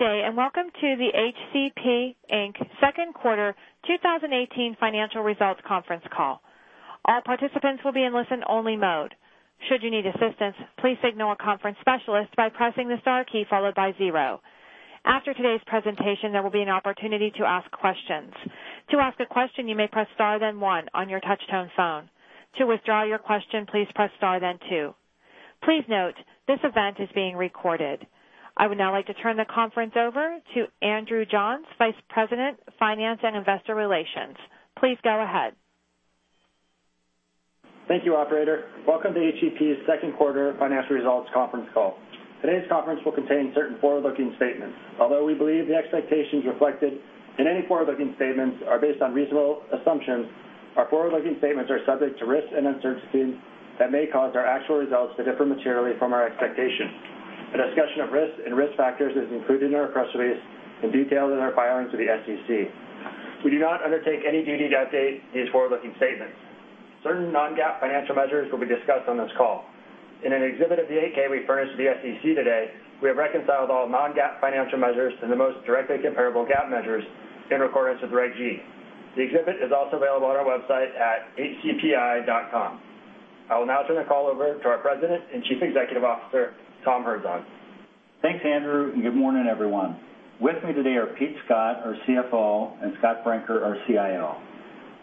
Good day, and welcome to the HCP, Inc., second quarter 2018 financial results conference call. All participants will be in listen-only mode. Should you need assistance, please signal a conference specialist by pressing the star key followed by zero. After today's presentation, there will be an opportunity to ask questions. To ask a question, you may press star then one on your touch-tone phone. To withdraw your question, please press star then two. Please note, this event is being recorded. I would now like to turn the conference over to Andrew Johns, Vice President of Finance and Investor Relations. Please go ahead. Thank you, operator. Welcome to HCP's second quarter financial results conference call. Today's conference will contain certain forward-looking statements. Although we believe the expectations reflected in any forward-looking statements are based on reasonable assumptions, our forward-looking statements are subject to risks and uncertainties that may cause our actual results to differ materially from our expectations. A discussion of risks and risk factors is included in our press release and detailed in our filings with the SEC. We do not undertake any duty to update these forward-looking statements. Certain non-GAAP financial measures will be discussed on this call. In an exhibit of the 8-K we furnished to the SEC today, we have reconciled all non-GAAP financial measures to the most directly comparable GAAP measures in accordance with Regulation G. The exhibit is also available on our website at hcpi.com. I will now turn the call over to our President and Chief Executive Officer, Tom Herzog. Thanks, Andrew, and good morning, everyone. With me today are Pete Scott, our CFO, and Scott Brinker, our CIO.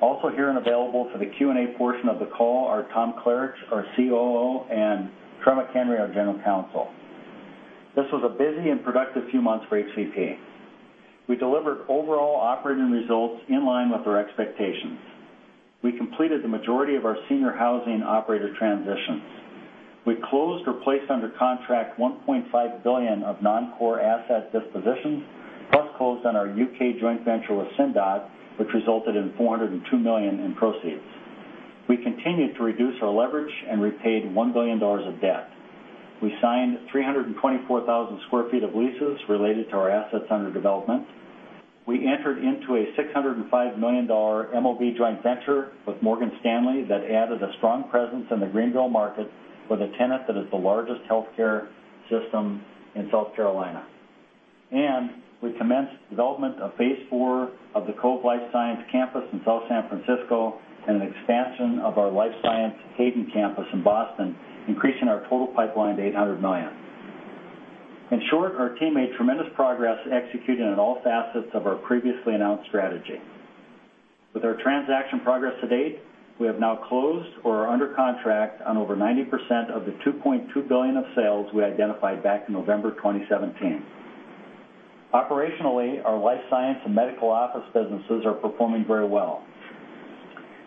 Also here and available for the Q&A portion of the call are Tom Klaritch, our COO, and Troy McHenry, our General Counsel. This was a busy and productive few months for HCP. We delivered overall operating results in line with our expectations. We completed the majority of our senior housing operator transitions. We closed or placed under contract $1.5 billion of non-core asset dispositions, plus closed on our U.K. joint venture with Cindat, which resulted in $402 million in proceeds. We continued to reduce our leverage and repaid $1 billion of debt. We signed 324,000 square feet of leases related to our assets under development. We entered into a $605 million MOB joint venture with Morgan Stanley that added a strong presence in the Greenville market with a tenant that is the largest healthcare system in South Carolina. We commenced development of phase 4 of The Cove life science campus in South San Francisco and an expansion of our life science Hayden campus in Boston, increasing our total pipeline to $800 million. In short, our team made tremendous progress executing on all facets of our previously announced strategy. With our transaction progress to date, we have now closed or are under contract on over 90% of the $2.2 billion of sales we identified back in November 2017. Operationally, our life science and medical office businesses are performing very well.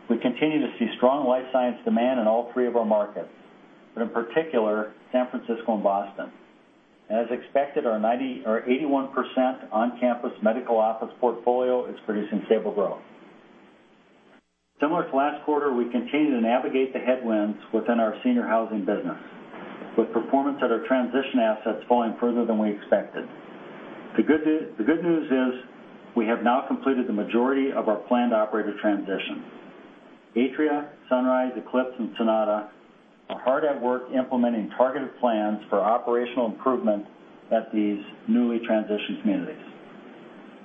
We continue to see strong life science demand in all three of our markets, but in particular, San Francisco and Boston. As expected, our 81% on-campus medical office portfolio is producing stable growth. Similar to last quarter, we continue to navigate the headwinds within our senior housing business, with performance at our transition assets falling further than we expected. The good news is we have now completed the majority of our planned operator transitions. Atria, Sunrise, Eclipse, and Sonata are hard at work implementing targeted plans for operational improvement at these newly transitioned communities.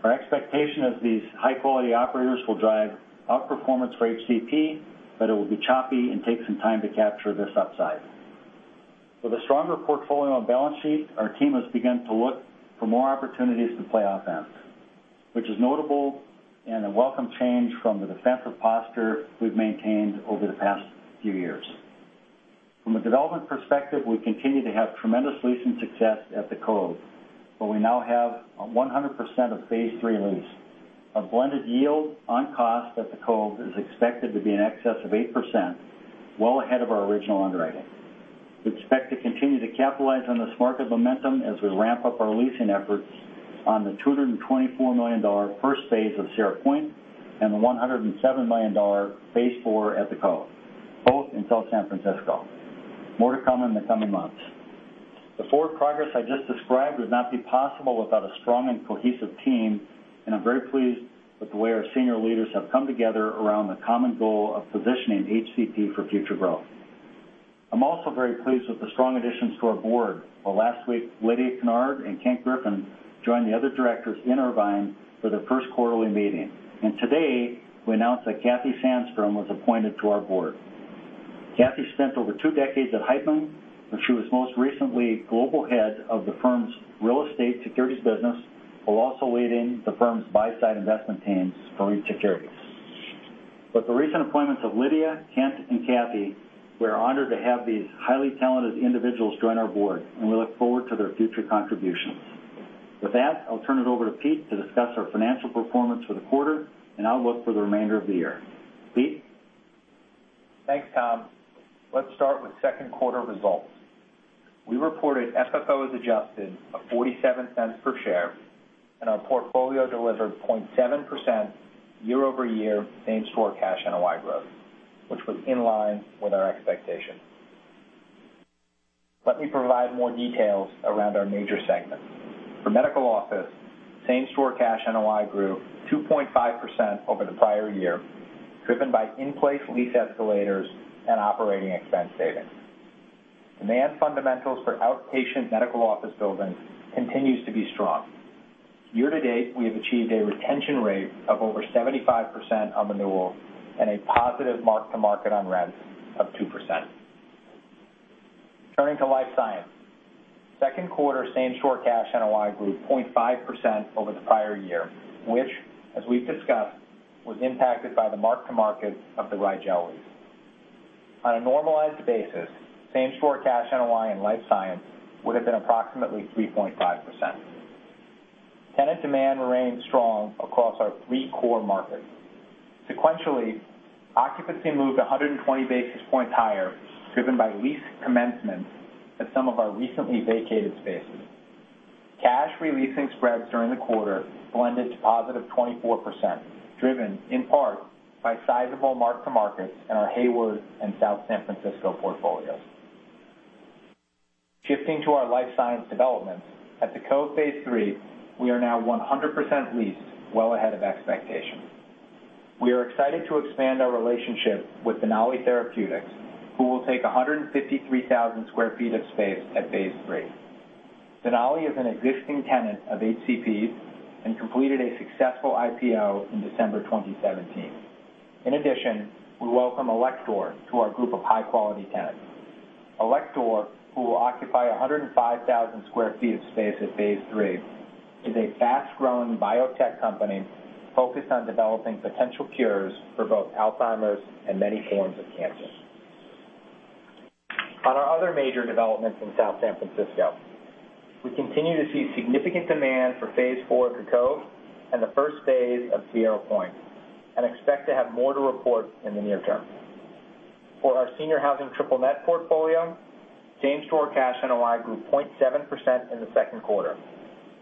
Our expectation is these high-quality operators will drive outperformance for HCP, but it will be choppy and take some time to capture this upside. With a stronger portfolio and balance sheet, our team has begun to look for more opportunities to play offense, which is notable and a welcome change from the defensive posture we've maintained over the past few years. From a development perspective, we continue to have tremendous leasing success at The Cove, where we now have 100% of phase 3 leased. Our blended yield on cost at The Cove is expected to be in excess of 8%, well ahead of our original underwriting. We expect to continue to capitalize on this market momentum as we ramp up our leasing efforts on the $224 million first phase of Sierra Point and the $107 million phase 4 at The Cove, both in South San Francisco. More to come in the coming months. The forward progress I just described would not be possible without a strong and cohesive team. I'm very pleased with the way our senior leaders have come together around the common goal of positioning HCP for future growth. I'm also very pleased with the strong additions to our board, where last week, Lydia Kennard and Kent Griffin joined the other directors in Irvine for their first quarterly meeting. Today, we announce that Katherine Sandstrom was appointed to our board. Katherine spent over two decades at Heitman, where she was most recently global head of the firm's real estate securities business while also leading the firm's buy-side investment teams for REIT securities. With the recent appointments of Lydia, Kent, and Katherine, we are honored to have these highly talented individuals join our board, and we look forward to their future contributions. With that, I'll turn it over to Peter to discuss our financial performance for the quarter and outlook for the remainder of the year. Peter? Thanks, Tom. Let's start with second quarter results. We reported FFO as adjusted of $0.47 per share. Our portfolio delivered 0.7% year-over-year same-store cash NOI growth, which was in line with our expectations. Let me provide more details around our major segments. For medical office, same-store cash NOI grew 2.5% over the prior year, driven by in-place lease escalators and operating expense savings. Demand fundamentals for outpatient medical office buildings continues to be strong. Year-to-date, we have achieved a retention rate of over 75% on renewals and a positive mark-to-market on rents of 2%. Turning to life science, second quarter same-store cash NOI grew 0.5% over the prior year, which, as we've discussed, was impacted by the mark-to-market of the Rigel lease. On a normalized basis, same-store cash NOI in life science would've been approximately 3.5%. Tenant demand remains strong across our three core markets. Sequentially, occupancy moved 120 basis points higher, driven by lease commencements at some of our recently vacated spaces. Cash re-leasing spreads during the quarter blended to positive 24%, driven in part by sizable mark-to-markets in our Hayden and South San Francisco portfolios. Shifting to our life science developments, at The Cove phase III, we are now 100% leased, well ahead of expectations. We are excited to expand our relationship with Denali Therapeutics, who will take 153,000 sq ft of space at phase III. Denali is an existing tenant of HCP's and completed a successful IPO in December 2017. In addition, we welcome Alector to our group of high-quality tenants. Alector, who will occupy 105,000 sq ft of space at phase III, is a fast-growing biotech company focused on developing potential cures for both Alzheimer's and many forms of cancer. Our other major developments in South San Francisco, we continue to see significant demand for phase IV of The Cove and the first phase of Sierra Point, and we expect to have more to report in the near term. For our senior housing triple-net portfolio, same-store cash NOI grew 0.7% in the second quarter.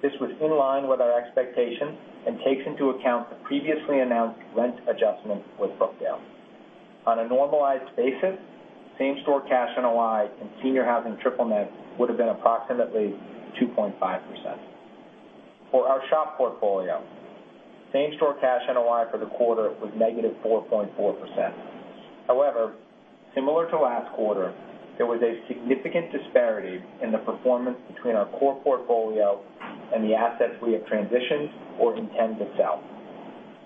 This was in line with our expectations and takes into account the previously announced rent adjustment with Brookdale. On a normalized basis, same-store cash NOI in senior housing triple-net would've been approximately 2.5%. For our SHOP portfolio, same-store cash NOI for the quarter was negative 4.4%. Similar to last quarter, there was a significant disparity in the performance between our core portfolio and the assets we have transitioned or intend to sell.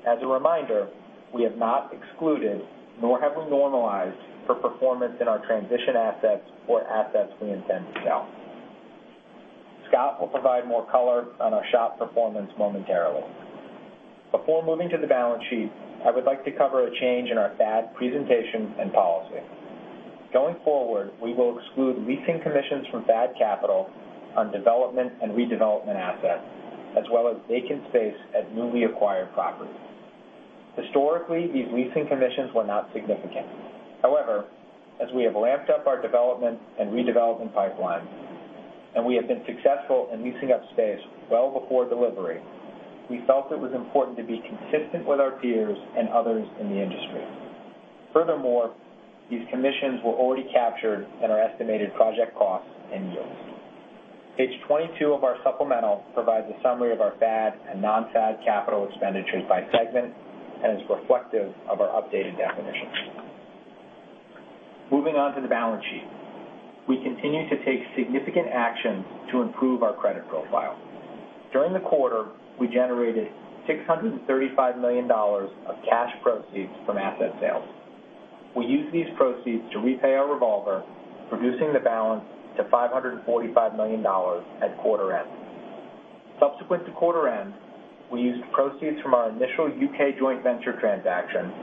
As a reminder, we have not excluded, nor have we normalized, for performance in our transition assets or assets we intend to sell. Scott will provide more color on our SHOP performance momentarily. Before moving to the balance sheet, I would like to cover a change in our FAD presentation and policy. Going forward, we will exclude leasing commissions from FAD capital on development and redevelopment assets, as well as vacant space at newly acquired properties. Historically, these leasing commissions were not significant. However, as we have ramped up our development and redevelopment pipeline, and we have been successful in leasing up space well before delivery, we felt it was important to be consistent with our peers and others in the industry. Furthermore, these commissions were already captured in our estimated project costs and yields. Page 22 of our supplemental provides a summary of our FAD and non-FAD capital expenditures by segment and is reflective of our updated definition. Moving on to the balance sheet. We continue to take significant actions to improve our credit profile. During the quarter, we generated $635 million of cash proceeds from asset sales. We used these proceeds to repay our revolver, reducing the balance to $545 million at quarter-end. Subsequent to quarter-end, we used proceeds from our initial U.K. joint venture transaction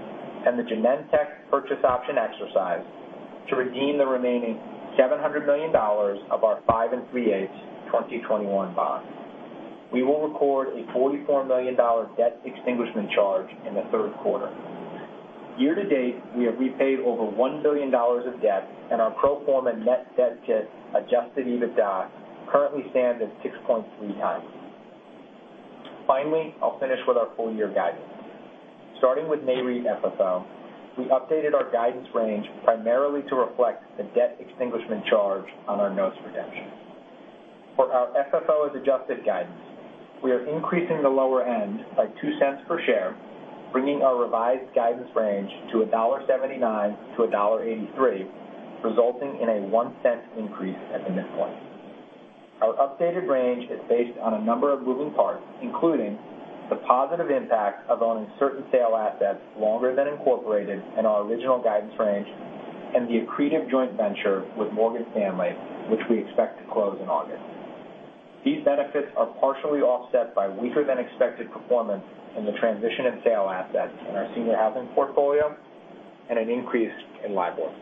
and the Genentech purchase option exercise to redeem the remaining $700 million of our 5 3/8 2021 bonds. We will record a $44 million debt extinguishment charge in the third quarter. Year-to-date, we have repaid over $1 billion of debt, and our pro forma net debt to adjusted EBITDA currently stands at 6.3x. I'll finish with our full-year guidance. Starting with NAREIT FFO, we updated our guidance range primarily to reflect the debt extinguishment charge on our notes redemption. For our FFO as adjusted guidance, we are increasing the lower end by $0.02 per share, bringing our revised guidance range to $1.79-$1.83, resulting in a $0.01 increase at the midpoint. Our updated range is based on a number of moving parts, including the positive impact of owning certain sale assets longer than incorporated in our original guidance range and the accretive joint venture with Morgan Stanley, which we expect to close in August. These benefits are partially offset by weaker-than-expected performance in the transition and sale assets in our senior housing portfolio and an increase in LIBOR.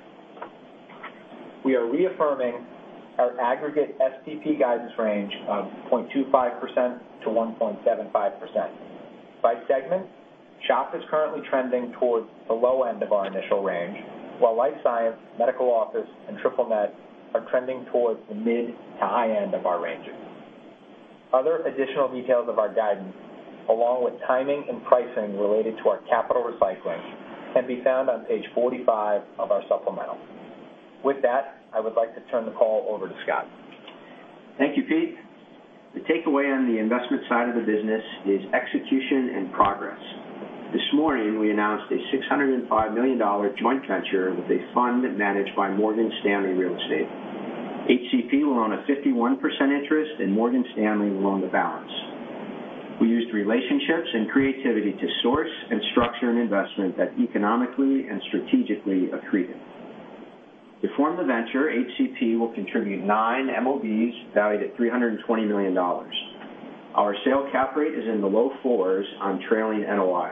We are reaffirming our aggregate SPP guidance range of 0.25%-1.75%. By segment, SHOP is currently trending towards the low end of our initial range, while life science, medical office, and triple-net are trending towards the mid to high end of our ranges. Other additional details of our guidance, along with timing and pricing related to our capital recycling, can be found on page 45 of our supplemental. With that, I would like to turn the call over to Scott. Thank you, Pete. The takeaway on the investment side of the business is execution and progress. This morning, we announced a $605 million joint venture with a fund managed by Morgan Stanley Real Estate. HCP will own a 51% interest, and Morgan Stanley will own the balance. We used relationships and creativity to source and structure an investment that economically and strategically accreted. To form the venture, HCP will contribute nine MOBs valued at $320 million. Our sale cap rate is in the low fours on trailing NOI.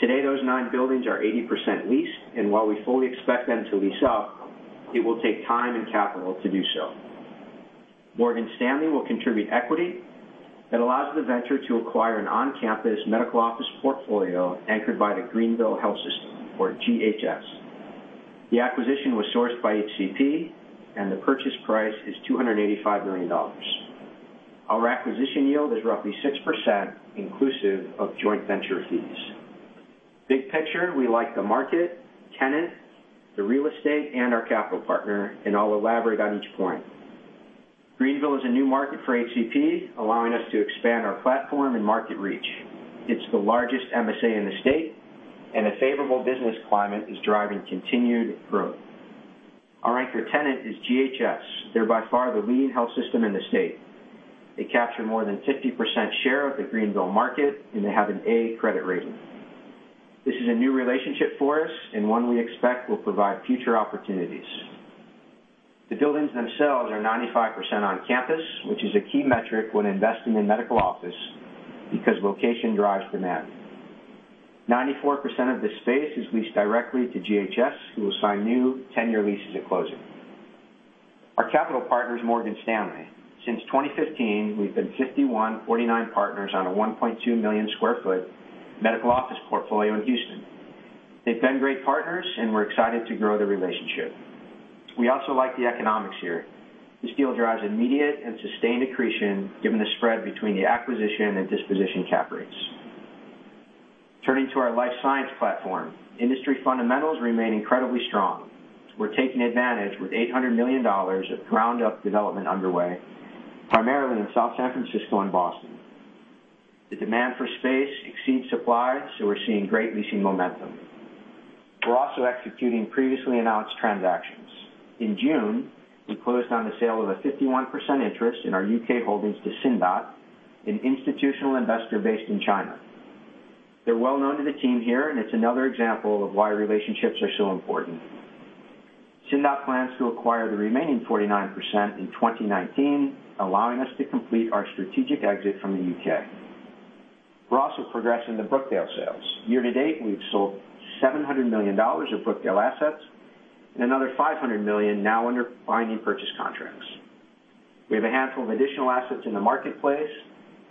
Today, those nine buildings are 80% leased, and while we fully expect them to lease up, it will take time and capital to do so. Morgan Stanley will contribute equity that allows the venture to acquire an on-campus medical office portfolio anchored by the Greenville Health System, or GHS. The acquisition was sourced by HCP, and the purchase price is $285 million. Our acquisition yield is roughly 6%, inclusive of joint venture fees. Big picture, we like the market, tenant, the real estate, and our capital partner, and I'll elaborate on each point. Greenville is a new market for HCP, allowing us to expand our platform and market reach. It's the largest MSA in the state, and a favorable business climate is driving continued growth. Our anchor tenant is GHS. They're by far the leading health system in the state. They capture more than 50% share of the Greenville market, and they have an A credit rating. This is a new relationship for us and one we expect will provide future opportunities. The buildings themselves are 95% on campus, which is a key metric when investing in medical office because location drives demand. 94% of the space is leased directly to GHS, who will sign new 10-year leases at closing. Our capital partner is Morgan Stanley. Since 2015, we've been 51/49 partners on a 1.2-million-square-foot medical office portfolio in Houston. They've been great partners, and we're excited to grow the relationship. We also like the economics here. This deal drives immediate and sustained accretion given the spread between the acquisition and disposition cap rates. Turning to our life science platform, industry fundamentals remain incredibly strong. We're taking advantage with $800 million of ground-up development underway, primarily in South San Francisco and Boston. The demand for space exceeds supply, so we're seeing great leasing momentum. We're also executing previously announced transactions. In June, we closed on the sale of a 51% interest in our U.K. holdings to Cindat, an institutional investor based in China. They're well-known to the team here, and it's another example of why relationships are so important. Cindat plans to acquire the remaining 49% in 2019, allowing us to complete our strategic exit from the U.K. We're also progressing the Brookdale sales. Year-to-date, we've sold $700 million of Brookdale assets and another $500 million now under binding purchase contracts. We have a handful of additional assets in the marketplace,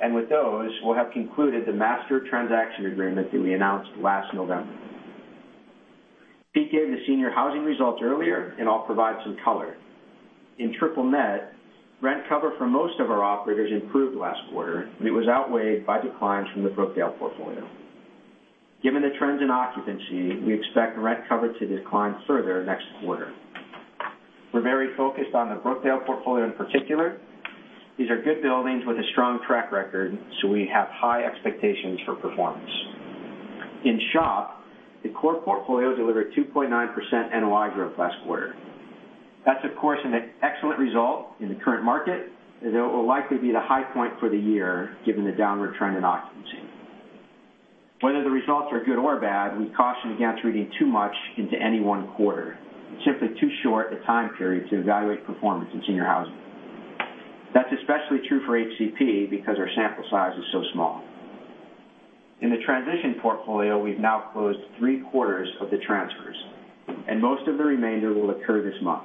and with those, we'll have concluded the master transaction agreement that we announced last November. Pete gave the senior housing results earlier, and I'll provide some color. In triple net, rent cover for most of our operators improved last quarter, but it was outweighed by declines from the Brookdale portfolio. Given the trends in occupancy, we expect rent cover to decline further next quarter. We're very focused on the Brookdale portfolio in particular. These are good buildings with a strong track record, so we have high expectations for performance. In SHOP, the core portfolio delivered 2.9% NOI growth last quarter. That's, of course, an excellent result in the current market. It will likely be the high point for the year, given the downward trend in occupancy. Whether the results are good or bad, we caution against reading too much into any one quarter. It's simply too short a time period to evaluate performance in senior housing. That's especially true for HCP because our sample size is so small. In the transition portfolio, we've now closed three-quarters of the transfers, and most of the remainder will occur this month.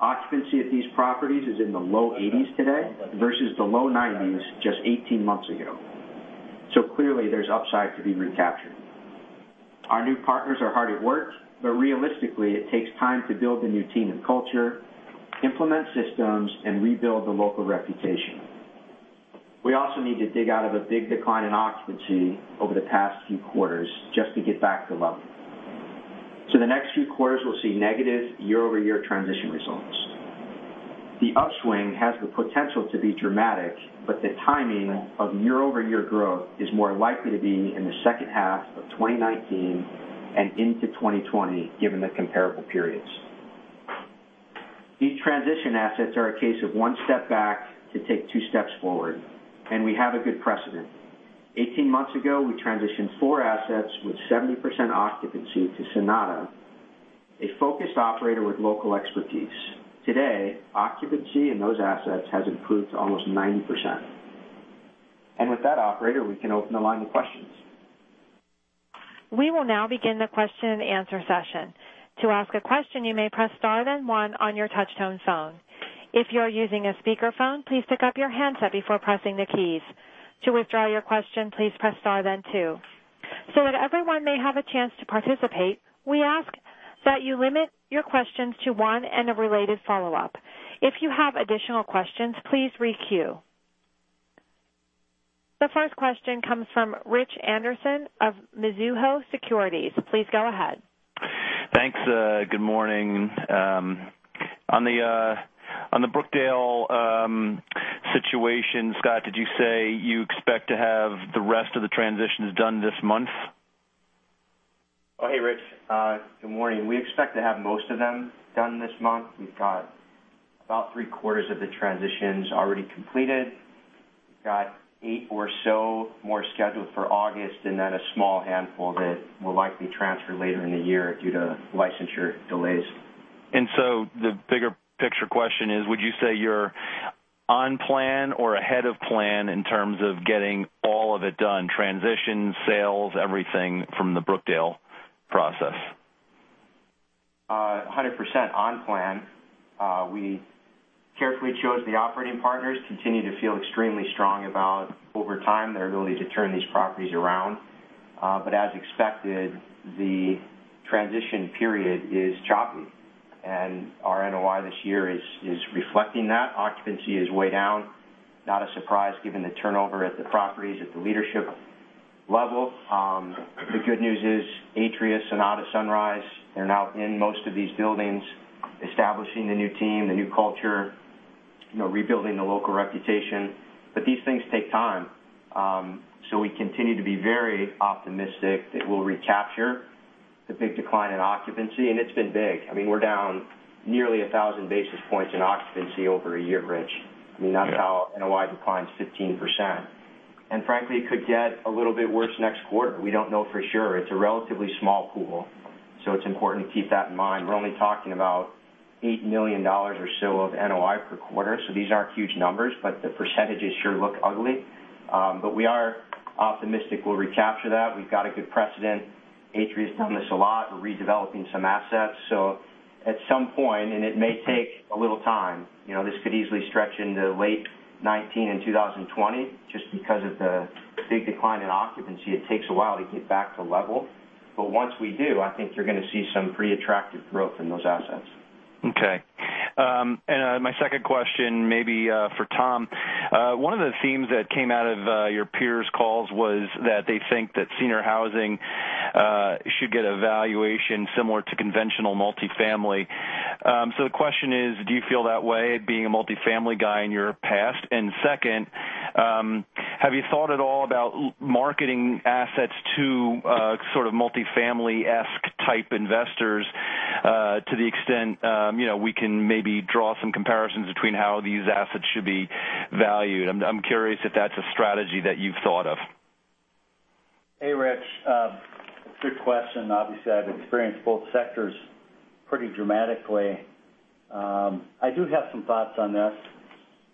Occupancy at these properties is in the low 80s today versus the low 90s just 18 months ago. Clearly, there's upside to be recaptured. Our new partners are hard at work, realistically, it takes time to build a new team and culture, implement systems, and rebuild the local reputation. We also need to dig out of a big decline in occupancy over the past few quarters just to get back to level. The next few quarters will see negative year-over-year transition results. The upswing has the potential to be dramatic, but the timing of year-over-year growth is more likely to be in the second half of 2019 and into 2020, given the comparable periods. These transition assets are a case of one step back to take two steps forward. We have a good precedent. 18 months ago, we transitioned four assets with 70% occupancy to Sonata, a focused operator with local expertise. Today, occupancy in those assets has improved to almost 90%. With that, operator, we can open the line to questions. We will now begin the question and answer session. To ask a question, you may press star then one on your touch-tone phone. If you are using a speakerphone, please pick up your handset before pressing the keys. To withdraw your question, please press star then two. That everyone may have a chance to participate, we ask that you limit your questions to one and a related follow-up. If you have additional questions, please re-queue. The first question comes from Richard Anderson of Mizuho Securities. Please go ahead. Thanks. Good morning. On the Brookdale situation, Scott, did you say you expect to have the rest of the transitions done this month? Oh, hey, Rich. Good morning. We expect to have most of them done this month. We've got about three-quarters of the transitions already completed. We've got eight or so more scheduled for August, a small handful that will likely transfer later in the year due to licensure delays. The bigger picture question is, would you say you're on plan or ahead of plan in terms of getting all of it done, transitions, sales, everything from the Brookdale process? 100% on plan. We carefully chose the operating partners, continue to feel extremely strong about, over time, their ability to turn these properties around. As expected, the transition period is choppy, and our NOI this year is reflecting that. Occupancy is way down. Not a surprise given the turnover at the properties at the leadership level. The good news is Atria, Sonata, Sunrise, they're now in most of these buildings, establishing the new team, the new culture, rebuilding the local reputation. These things take time. We continue to be very optimistic that we'll recapture the big decline in occupancy. It's been big. We're down nearly 1,000 basis points in occupancy over a year, Rich. Yeah. That's how NOI declines 15%. Frankly, it could get a little bit worse next quarter. We don't know for sure. It's a relatively small pool. It's important to keep that in mind. We're only talking about $8 million or so of NOI per quarter. These aren't huge numbers, but the percentages sure look ugly. We are optimistic we'll recapture that. We've got a good precedent. Atria's done this a lot. We're redeveloping some assets. At some point, and it may take a little time, this could easily stretch into late 2019 and 2020 just because of the big decline in occupancy. It takes a while to get back to level. Once we do, I think you're going to see some pretty attractive growth in those assets. Okay. My second question, maybe for Tom. One of the themes that came out of your peers' calls was that they think that senior housing should get a valuation similar to conventional multifamily. The question is, do you feel that way, being a multifamily guy in your past? Second, have you thought at all about marketing assets to sort of multifamily-esque type investors to the extent we can maybe draw some comparisons between how these assets should be valued? I'm curious if that's a strategy that you've thought of. Hey, Rich. Good question. Obviously, I've experienced both sectors pretty dramatically. I do have some thoughts on this.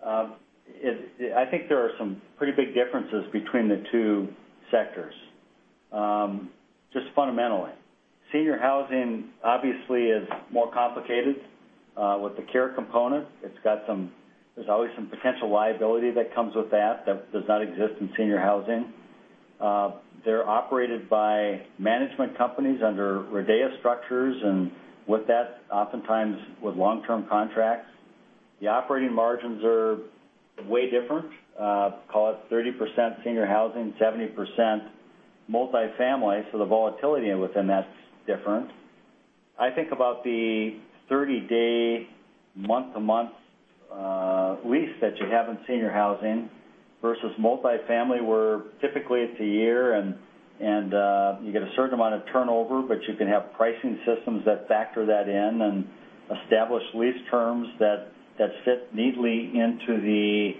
I think there are some pretty big differences between the two sectors. Just fundamentally. Senior housing, obviously, is more complicated with the care component. There's always some potential liability that comes with that does not exist in senior housing. They're operated by management companies under RIDEA structures, and with that, oftentimes with long-term contracts. The operating margins are way different. Call it 30% senior housing, 70% multifamily. The volatility within that's different. I think about the 30-day, month-to-month lease that you have in senior housing versus multifamily, where typically it's a year and you get a certain amount of turnover, but you can have pricing systems that factor that in and establish lease terms that fit neatly into the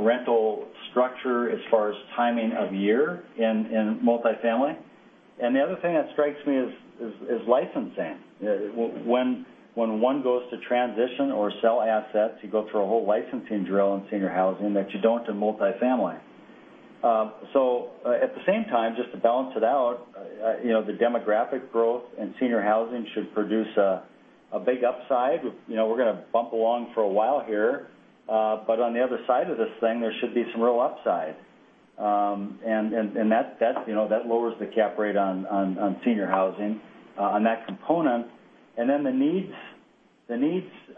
rental structure as far as timing of year in multifamily. The other thing that strikes me is licensing. When one goes to transition or sell assets, you go through a whole licensing drill in senior housing that you don't in multifamily. At the same time, just to balance it out, the demographic growth in senior housing should produce a big upside. We're going to bump along for a while here, but on the other side of this thing, there should be some real upside. That lowers the cap rate on senior housing on that component. Then the needs-based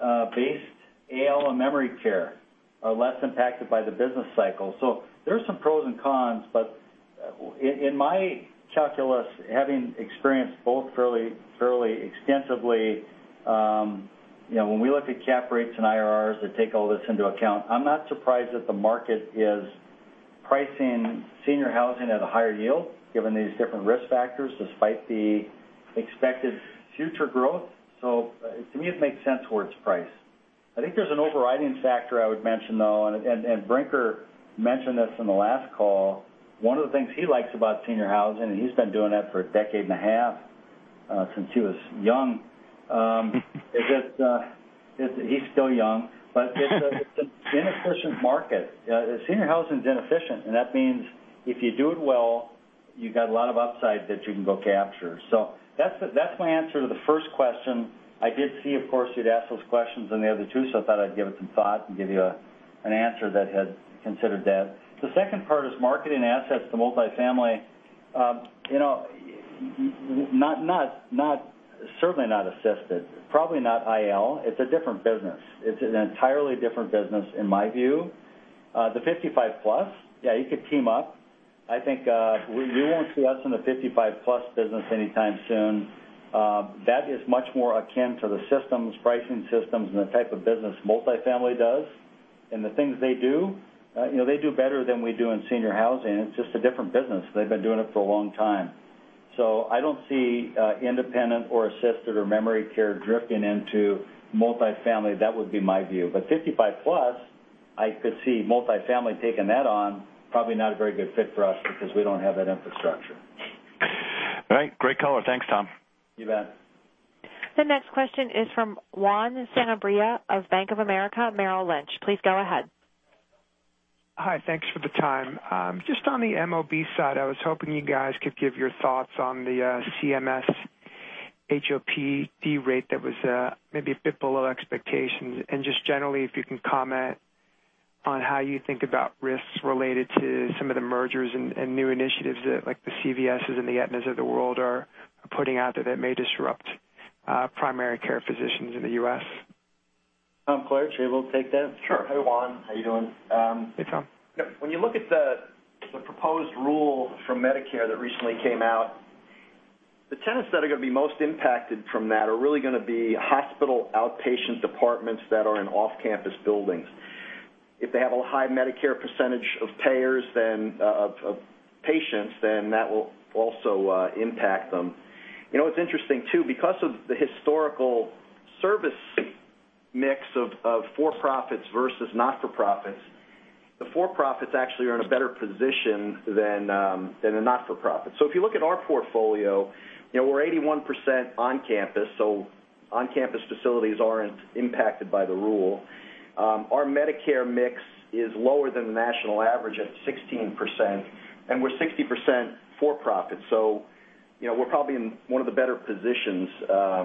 AL and memory care are less impacted by the business cycle. There are some pros and cons, but in my calculus, having experienced both fairly extensively, when we look at cap rates and IRRs that take all this into account, I am not surprised that the market is pricing senior housing at a higher yield given these different risk factors despite the expected future growth. To me, it makes sense where it is priced. I think there is an overriding factor I would mention, though, and Scott Brinker mentioned this in the last call. One of the things he likes about senior housing, and he has been doing that for a decade and a half, since he was young, He is still young, but it is an inefficient market. Senior housing is inefficient, and that means if you do it well, you got a lot of upside that you can go capture. That is my answer to the first question. I did see, of course, you had asked those questions on the other two. I thought I would give it some thought and give you an answer that had considered that. The second part is marketing assets to multifamily. Certainly not assisted, probably not IL. It is a different business. It is an entirely different business in my view. The 55 plus, yeah, you could team up. I think you will not see us in the 55 plus business anytime soon. That is much more akin to the systems, pricing systems, and the type of business multifamily does, and the things they do. They do better than we do in senior housing. It is just a different business. They have been doing it for a long time. I do not see independent or assisted or memory care drifting into multifamily. That would be my view. 55 plus, I could see multifamily taking that on, probably not a very good fit for us because we do not have that infrastructure. All right. Great color. Thanks, Tom. You bet. The next question is from Juan Sanabria of Bank of America Merrill Lynch. Please go ahead. Hi. Thanks for the time. Just on the MOB side, I was hoping you guys could give your thoughts on the CMS HOPD rate that was maybe a bit below expectations, and just generally, if you can comment on how you think about risks related to some of the mergers and new initiatives that like the CVS's and the Aetna's of the world are putting out there that may disrupt primary care physicians in the U.S. Tom Klaritch, could you take that? Sure. Hey, Juan. How you doing? Hey, Tom. When you look at the proposed rule from Medicare that recently came out, the tenants that are going to be most impacted from that are really going to be hospital outpatient departments that are in off-campus buildings. If they have a high Medicare percentage of patients, then that will also impact them. It's interesting too, because of the historical service mix of for-profits versus not-for-profits, the for-profits actually are in a better position than the not-for-profits. If you look at our portfolio, we're 81% on-campus, so on-campus facilities aren't impacted by the rule. Our Medicare mix is lower than the national average at 16%, and we're 60% for-profit. We're probably in one of the better positions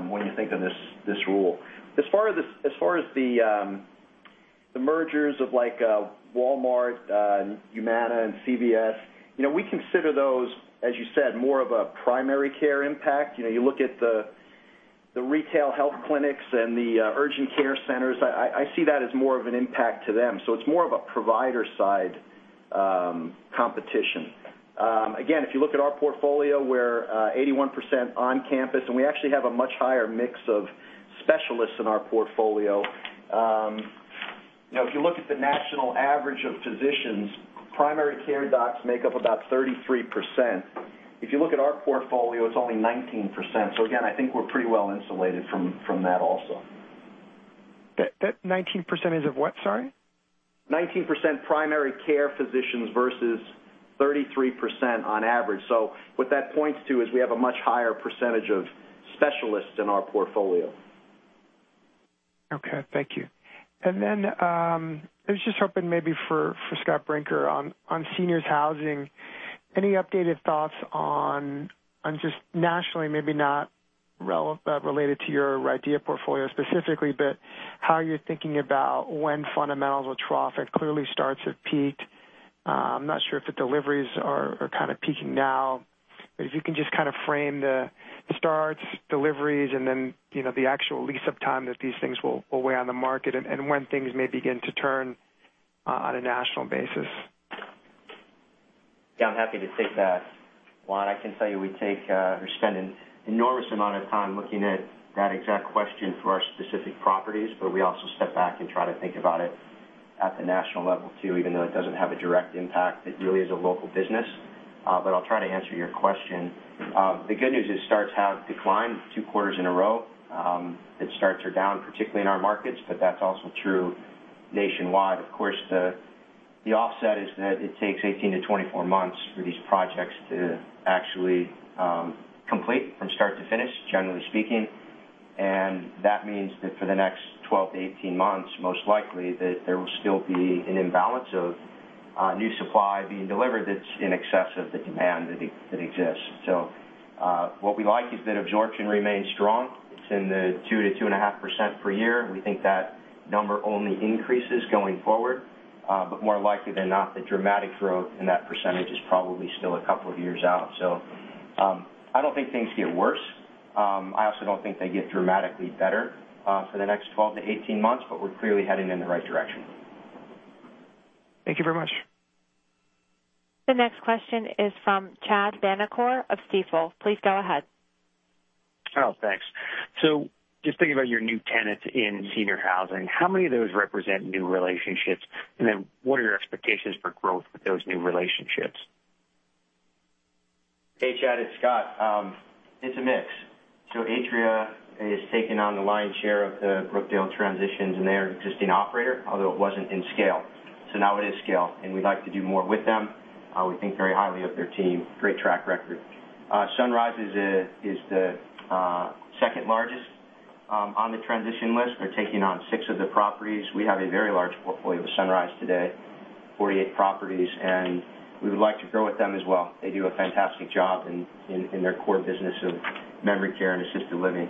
when you think of this rule. As far as the mergers of like Walmart, Humana, and CVS, we consider those, as you said, more of a primary care impact. You look at the retail health clinics and the urgent care centers, I see that as more of an impact to them. It's more of a provider side competition. Again, if you look at our portfolio, we're 81% on-campus, and we actually have a much higher mix of specialists in our portfolio. If you look at the national average of physicians, primary care docs make up about 33%. If you look at our portfolio, it's only 19%. Again, I think we're pretty well insulated from that also. That 19% is of what, sorry? 19% primary care physicians versus 33% on average. What that points to is we have a much higher percentage of specialists in our portfolio. Okay. Thank you. I was just hoping maybe for Scott Brinker on seniors housing, any updated thoughts on just nationally, maybe not related to your RIDEA portfolio specifically, but how you're thinking about when fundamentals of traffic clearly starts to peak. I'm not sure if the deliveries are kind of peaking now, but if you can just kind of frame the starts, deliveries, and then the actual lease-up time that these things will weigh on the market and when things may begin to turn on a national basis. I'm happy to take that. Juan, I can tell you we take or spend an enormous amount of time looking at that exact question for our specific properties, but we also step back and try to think about it at the national level, too, even though it doesn't have a direct impact. It really is a local business. I'll try to answer your question. The good news is starts have declined two quarters in a row, that starts are down, particularly in our markets, but that's also true nationwide. The offset is that it takes 18 to 24 months for these projects to actually complete from start to finish, generally speaking, and that means that for the next 12 to 18 months, most likely that there will still be an imbalance of new supply being delivered that's in excess of the demand that exists. What we like is that absorption remains strong. It's in the 2%-2.5% per year. We think that number only increases going forward. More likely than not, the dramatic growth in that percentage is probably still a couple of years out. I don't think things get worse. I also don't think they get dramatically better for the next 12-18 months, but we're clearly heading in the right direction. Thank you very much. The next question is from Chad Vanacore of Stifel. Please go ahead. Thanks. Just thinking about your new tenants in senior housing, how many of those represent new relationships? What are your expectations for growth with those new relationships? Hey, Chad, it's Scott. It's a mix. Atria is taking on the lion's share of the Brookdale transitions and they're an existing operator, although it wasn't in scale. Now it is scale, we'd like to do more with them. We think very highly of their team. Great track record. Sunrise is the second largest on the transition list. We're taking on six of the properties. We have a very large portfolio with Sunrise today. 48 properties, we would like to grow with them as well. They do a fantastic job in their core business of memory care and assisted living.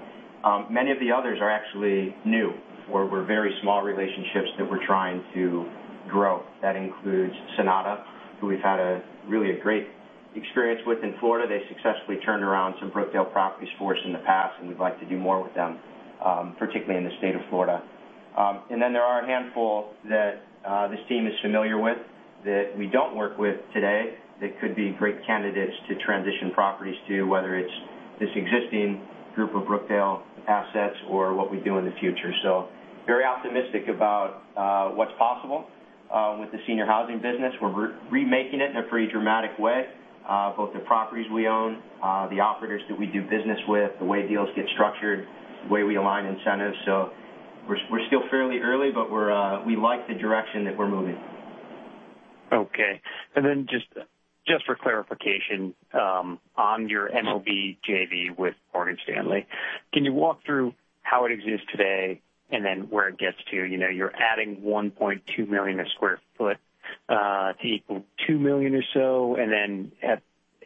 Many of the others are actually new, or were very small relationships that we're trying to grow. That includes Sonata, who we've had really a great experience with in Florida. They successfully turned around some Brookdale properties for us in the past, we'd like to do more with them, particularly in the state of Florida. There are a handful that this team is familiar with that we don't work with today that could be great candidates to transition properties to, whether it's this existing group of Brookdale assets or what we do in the future. Very optimistic about what's possible with the senior housing business. We're remaking it in a pretty dramatic way, both the properties we own, the operators that we do business with, the way deals get structured, the way we align incentives. We're still fairly early, but we like the direction that we're moving. Okay. Just for clarification on your MOB JV with Morgan Stanley, can you walk through how it exists today and then where it gets to? You're adding 1.2 million sq ft to equal 2 million or so,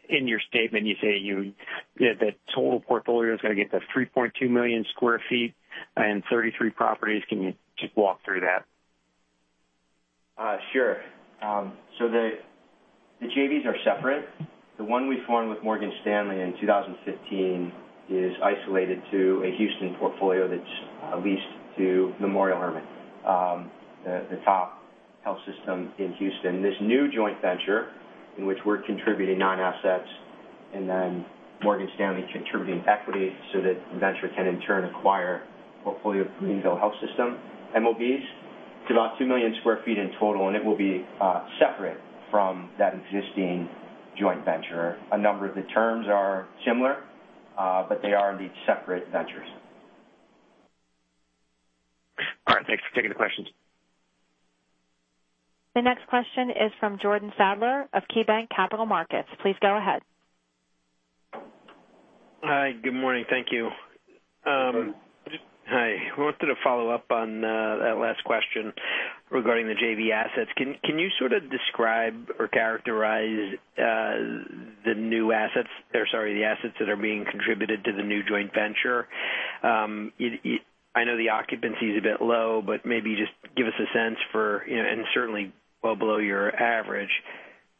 in your statement, you say the total portfolio is going to get to 3.2 million sq ft and 33 properties. Can you just walk through that? Sure. The JVs are separate. The one we formed with Morgan Stanley in 2015 is isolated to a Houston portfolio that's leased to Memorial Hermann, the top health system in Houston. This new joint venture, in which we're contributing 9 assets, Morgan Stanley contributing equity so that the venture can, in turn, acquire a portfolio of Greenville Health System MOBs. It's about 2 million sq ft in total, it will be separate from that existing joint venture. A number of the terms are similar, but they are indeed separate ventures. All right. Thanks for taking the questions. The next question is from Jordan Sadler of KeyBanc Capital Markets. Please go ahead. Hi, good morning. Thank you. Good morning. Hi. I wanted to follow up on that last question regarding the JV assets. Can you sort of describe or characterize the assets that are being contributed to the new joint venture? I know the occupancy is a bit low, and certainly well below your average.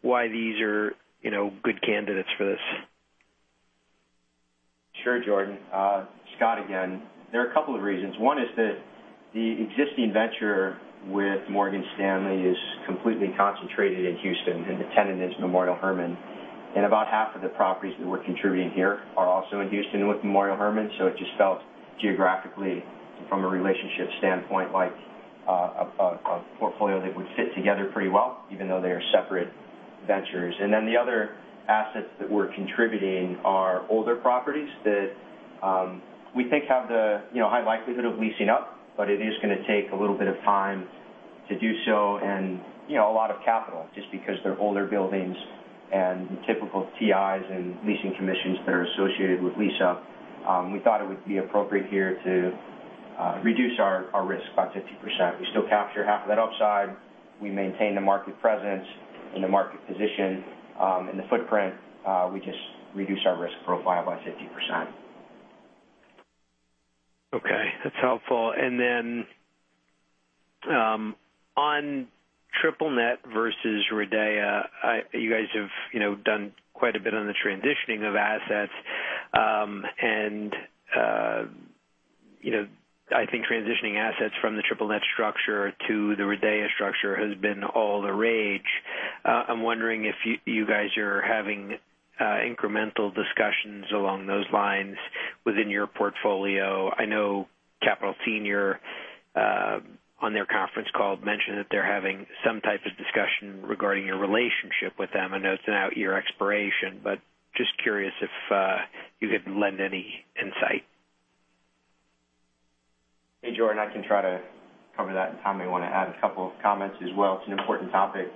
Why these are good candidates for this? Sure, Jordan. Scott again. There are a couple of reasons. One is that the existing venture with Morgan Stanley is completely concentrated in Houston, and the tenant is Memorial Hermann. About half of the properties that we're contributing here are also in Houston with Memorial Hermann, so it just felt geographically, from a relationship standpoint, like a portfolio that would fit together pretty well, even though they are separate ventures. The other assets that we're contributing are older properties that we think have the high likelihood of leasing up, but it is going to take a little bit of time to do so and a lot of capital, just because they're older buildings and the typical TIs and leasing commissions that are associated with lease-up. We thought it would be appropriate here to reduce our risk by 50%. We still capture half of that upside. We maintain the market presence and the market position and the footprint. We just reduce our risk profile by 50%. Okay. That's helpful. On triple net versus RIDEA, you guys have done quite a bit on the transitioning of assets, and I think transitioning assets from the triple net structure to the RIDEA structure has been all the rage. I'm wondering if you guys are having incremental discussions along those lines within your portfolio. I know Capital Senior, on their conference call, mentioned that they're having some type of discussion regarding your relationship with them. I know it's an out-year expiration, just curious if you could lend any insight. Hey, Jordan. I can try to cover that, Tom may want to add a couple of comments as well. It's an important topic.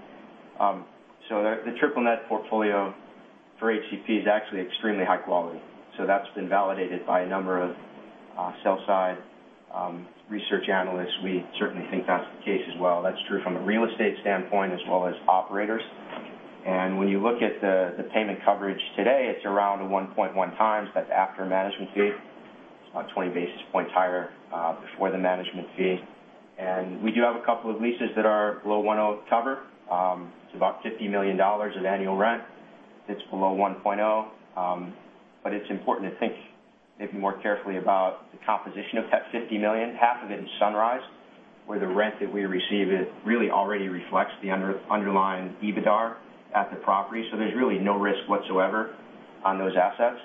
The triple net portfolio for HCP is actually extremely high quality. That's been validated by a number of sell-side research analysts. We certainly think that's the case as well. That's true from a real estate standpoint as well as operators. When you look at the payment coverage today, it's around a 1.1 times. That's after management fee. It's about 20 basis points higher before the management fee. We do have a couple of leases that are below 1.0 cover. It's about $50 million of annual rent. It's below 1.0. It's important to think maybe more carefully about the composition of that $50 million. Half of it is Sunrise, where the rent that we receive really already reflects the underlying EBITDAR at the property. There's really no risk whatsoever on those assets.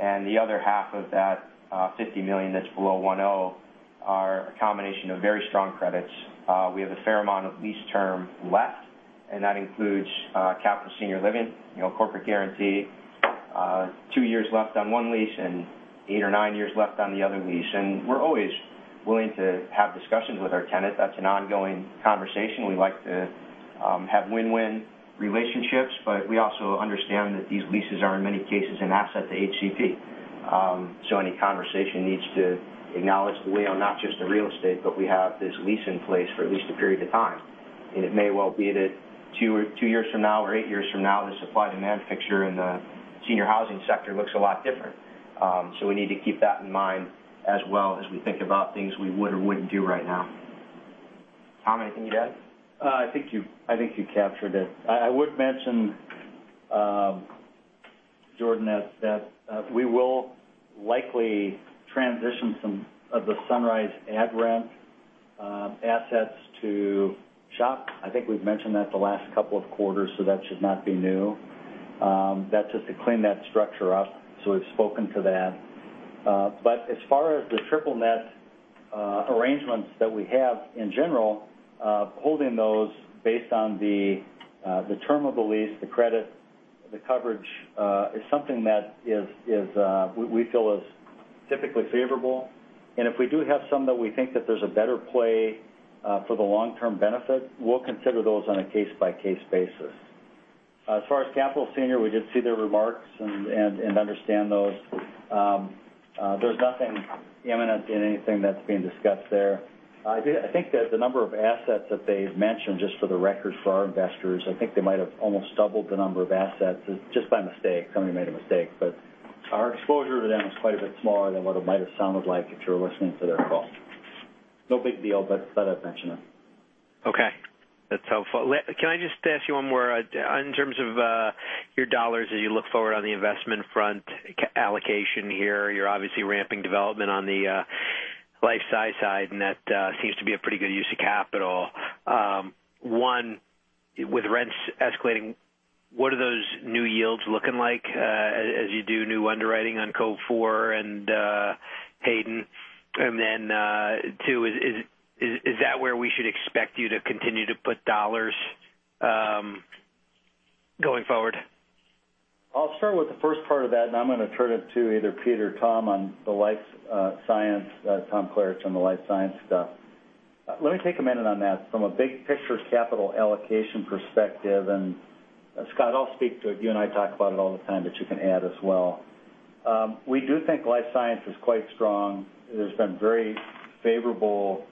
The other half of that $50 million that's below 1.0 are a combination of very strong credits. We have a fair amount of lease term left, and that includes Capital Senior Living, corporate guarantee, two years left on one lease and eight or nine years left on the other lease. We're always willing to have discussions with our tenant. That's an ongoing conversation. We like to have win-win relationships, we also understand that these leases are, in many cases, an asset to HCP. Any conversation needs to acknowledge that we own not just the real estate, we have this lease in place for at least a period of time. It may well be that two years from now or eight years from now, the supply-demand picture in the senior housing sector looks a lot different. We need to keep that in mind as well as we think about things we would or wouldn't do right now. Tom, anything to add? I think you captured it. I would mention, Jordan, that we will likely transition some of the Sunrise RIDEA rent assets to SHOP. I think we've mentioned that the last couple of quarters, that should not be new. That's just to clean that structure up. We've spoken to that. As far as the triple net arrangements that we have in general, holding those based on the term of the lease, the credit, the coverage, is something that we feel is typically favorable. If we do have some that we think that there's a better play for the long-term benefit, we'll consider those on a case-by-case basis. As far as Capital Senior, we did see their remarks and understand those. There's nothing imminent in anything that's being discussed there. I think that the number of assets that they've mentioned, just for the record, for our investors, I think they might have almost doubled the number of assets just by mistake. Somebody made a mistake. Our exposure to them is quite a bit smaller than what it might've sounded like if you were listening to their call. No big deal, but I thought I'd mention it. Okay. That's helpful. Can I just ask you one more? In terms of your dollars as you look forward on the investment front allocation here, you're obviously ramping development on the life science side, and that seems to be a pretty good use of capital. One, with rents escalating, what are those new yields looking like as you do new underwriting on The Cove 4 and Hayden? Two, is that where we should expect you to continue to put dollars going forward? I'll start with the first part of that, and then I'm going to turn it to either Pete or Tom on the life science, Tom Claridge on the life science stuff. Let me take a minute on that from a big-pictures capital allocation perspective, and Scott, I'll speak to it. You and I talk about it all the time, but you can add as well. We do think life science is quite strong. There's been very favorable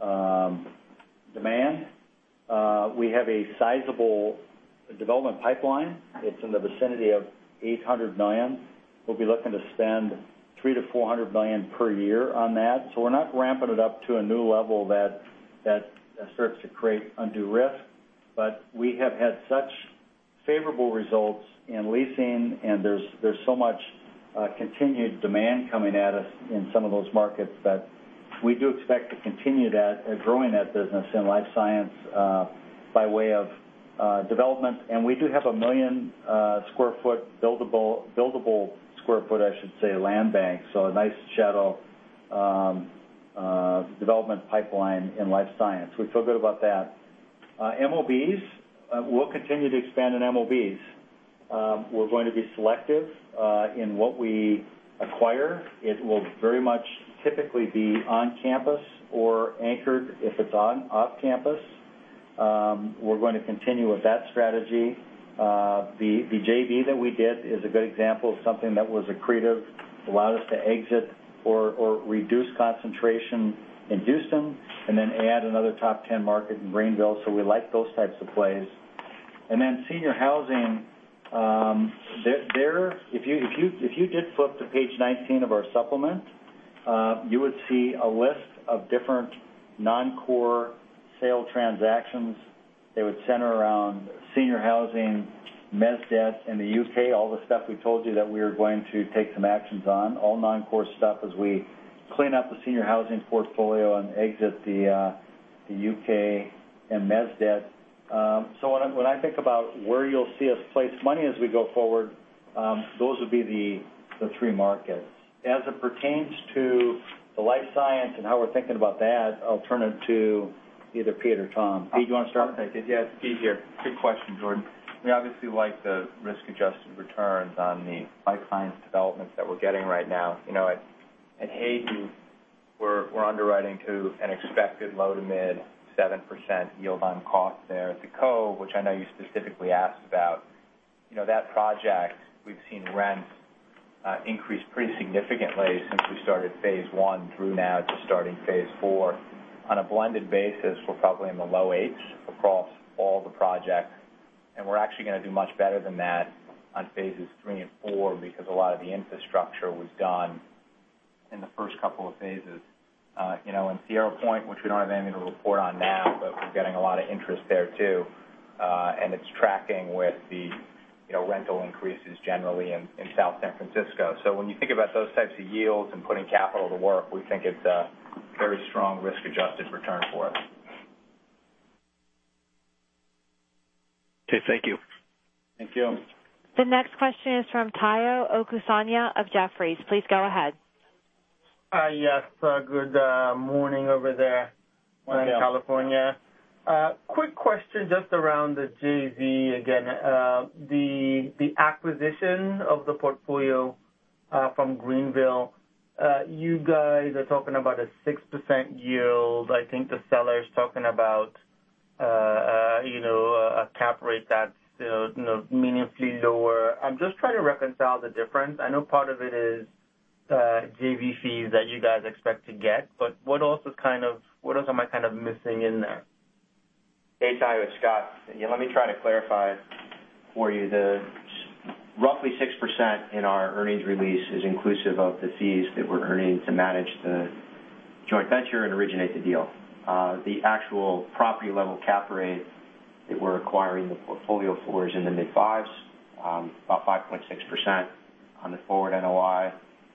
demand. We have a sizable development pipeline. It's in the vicinity of $800 million. We'll be looking to spend $300 million-$400 million per year on that. We're not ramping it up to a new level that starts to create undue risk. We have had such favorable results in leasing, and there's so much continued demand coming at us in some of those markets, that we do expect to continue growing that business in life science by way of development. We do have a 1 million sq ft buildable square foot, I should say, land bank, so a nice shadow development pipeline in life science. We feel good about that. MOBs, we'll continue to expand in MOBs. We're going to be selective in what we acquire. It will very much typically be on campus or anchored if it's off-campus. We're going to continue with that strategy. The JV that we did is a good example of something that was accretive. It allowed us to exit or reduce concentration in Houston, and then add another top 10 market in Greenville. We like those types of plays. Senior housing, if you did flip to page 19 of our supplement, you would see a list of different non-core sale transactions that would center around senior housing, mezz debt in the U.K., all the stuff we told you that we were going to take some actions on. All non-core stuff as we clean up the senior housing portfolio and exit the U.K. and mess debtt. When I think about where you'll see us place money as we go forward, those would be the three markets. As it pertains to the life science and how we're thinking about that, I'll turn it to either Pete or Tom. Pete, do you want to start? Yeah. It's Pete here. Good question, Jordan. We obviously like the risk-adjusted returns on the life science developments that we're getting right now. At Hayden, we're underwriting to an expected low-to-mid 7% yield on cost there. At The Cove, which I know you specifically asked about, that project, we've seen rents increase pretty significantly since we started phase I through now to starting phase IV. On a blended basis, we're probably in the low eights across all the projects, and we're actually going to do much better than that on phases III and IV because a lot of the infrastructure was done in the first couple of phases. In Sierra Point, which we don't have anything to report on now, but we're getting a lot of interest there, too. It's tracking with the rental increases generally in South San Francisco. When you think about those types of yields and putting capital to work, we think it's a very strong risk-adjusted return for us. Okay. Thank you. Thank you. The next question is from Tayo Okusanya of Jefferies. Please go ahead. Yes. Good morning. Morning in California. Quick question just around the JV again. The acquisition of the portfolio from Greenville. You guys are talking about a 6% yield. I think the seller's talking about. cap rate that's meaningfully lower. I'm just trying to reconcile the difference. I know part of it is JV fees that you guys expect to get, what else am I missing in there? Hey, Tayo. It's Scott. Let me try to clarify for you. The roughly 6% in our earnings release is inclusive of the fees that we're earning to manage the joint venture and originate the deal. The actual property-level cap rate that we're acquiring the portfolio for is in the mid fives, about 5.6% on the forward NOI.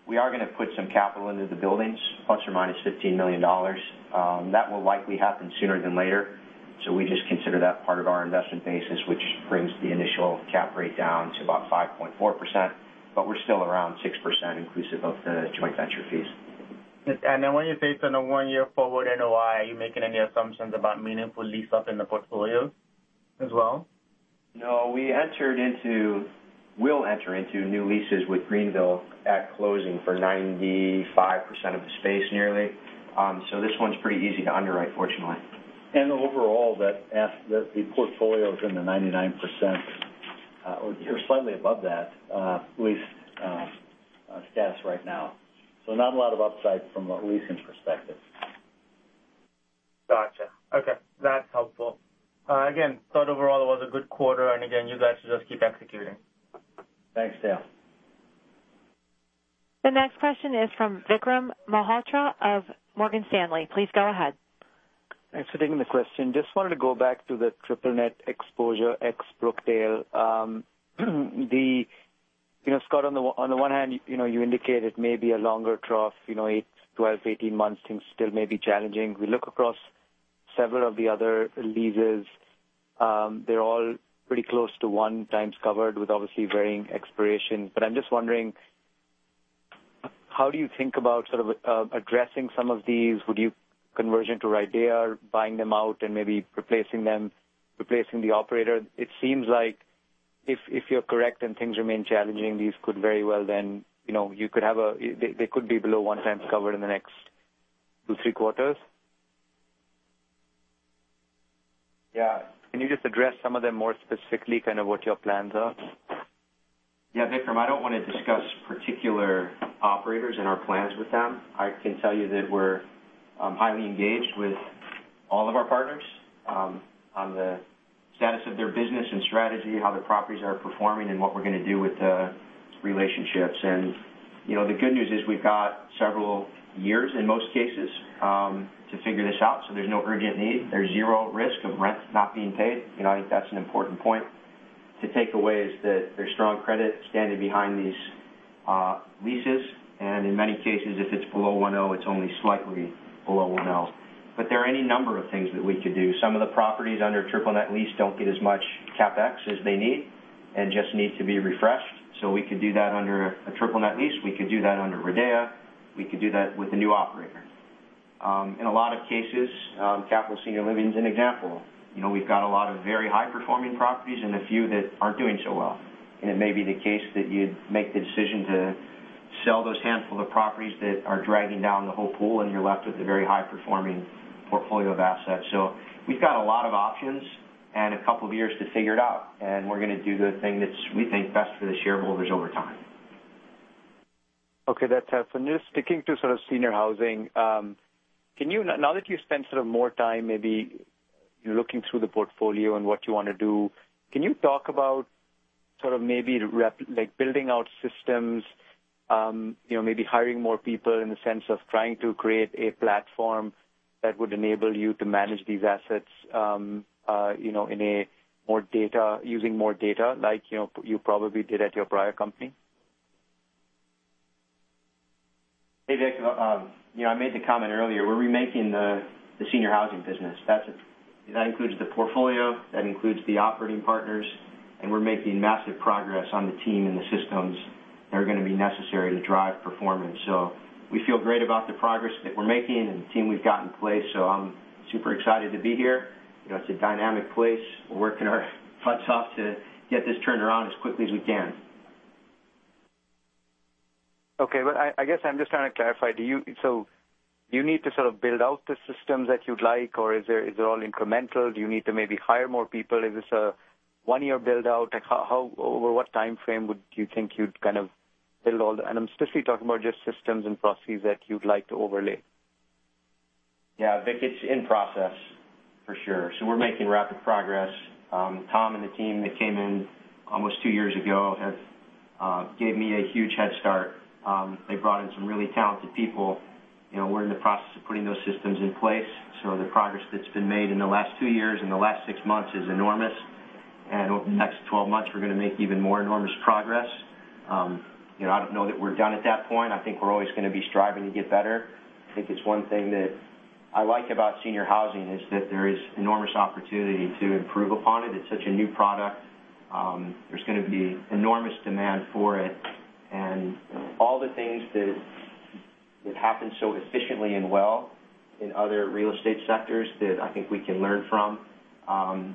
We are going to put some capital into the buildings, ±$15 million. That will likely happen sooner than later. We just consider that part of our investment basis, which brings the initial cap rate down to about 5.4%, but we're still around 6% inclusive of the joint venture fees. When you say it's on a one-year forward NOI, are you making any assumptions about meaningful lease up in the portfolios as well? No. We'll enter into new leases with Greenville at closing for 95% of the space nearly. This one's pretty easy to underwrite, fortunately. Overall, the portfolio is in the 99%, or slightly above that, lease status right now. Not a lot of upside from a leasing perspective. Got you. Okay. That is helpful. Again, thought overall it was a good quarter and, again, you guys should just keep executing. Thanks, Tayo. The next question is from Vikram Malhotra of Morgan Stanley. Please go ahead. Thanks for taking the question. Just wanted to go back to the triple net exposure ex Brookdale. Scott, on the one hand, you indicated maybe a longer trough, 8, 12, 18 months, things still may be challenging. We look across several of the other leases. They're all pretty close to one times covered with obviously varying expiration. I'm just wondering, how do you think about sort of addressing some of these? Would you conversion to RIDEA, buying them out, and maybe replacing them, replacing the operator? It seems like if you're correct and things remain challenging, these could very well be below one times covered in the next two, three quarters. Yeah. Can you just address some of them more specifically, kind of what your plans are? Yeah, Vikram, I don't want to discuss particular operators and our plans with them. I can tell you that we're highly engaged with all of our partners on the status of their business and strategy, how their properties are performing, and what we're going to do with the relationships. The good news is we've got several years, in most cases, to figure this out, so there's no urgent need. There's zero risk of rent not being paid. I think that's an important point to take away is that there's strong credit standing behind these leases, and in many cases, if it's below one L, it's only slightly below one L. There are any number of things that we could do. Some of the properties under triple net lease don't get as much CapEx as they need and just need to be refreshed. We could do that under a triple net lease. We could do that under RIDEA. We could do that with a new operator. In a lot of cases, Capital Senior Living is an example. We've got a lot of very high-performing properties and a few that aren't doing so well. It may be the case that you'd make the decision to sell those handful of properties that are dragging down the whole pool, and you're left with a very high-performing portfolio of assets. We've got a lot of options and a couple of years to figure it out, and we're going to do the thing that we think is best for the shareholders over time. Okay, that's helpful. Just sticking to sort of senior housing, now that you've spent sort of more time maybe looking through the portfolio and what you want to do, can you talk about sort of maybe building out systems, maybe hiring more people in the sense of trying to create a platform that would enable you to manage these assets using more data like you probably did at your prior company? Hey, Vikram. I made the comment earlier. We're remaking the senior housing business. That includes the portfolio, that includes the operating partners. We're making massive progress on the team and the systems that are going to be necessary to drive performance. We feel great about the progress that we're making and the team we've got in place. I'm super excited to be here. It's a dynamic place. We're working our butts off to get this turned around as quickly as we can. Okay. I guess I'm just trying to clarify. Do you need to sort of build out the systems that you'd like, or is it all incremental? Do you need to maybe hire more people? Is this a one-year build-out? Over what time frame would you think you'd kind of build? I'm specifically talking about just systems and processes that you'd like to overlay. Yeah, Vikram. It's in process, for sure. We're making rapid progress. Tom Klaritch and the team that came in almost two years ago have gave me a huge head start. They brought in some really talented people. We're in the process of putting those systems in place. The progress that's been made in the last two years, in the last six months, is enormous. Over the next 12 months, we're going to make even more enormous progress. I don't know that we're done at that point. I think we're always going to be striving to get better. I think it's one thing that I like about senior housing is that there is enormous opportunity to improve upon it. It's such a new product. There's going to be enormous demand for it. All the things that happen so efficiently and well in other real estate sectors that I think we can learn from.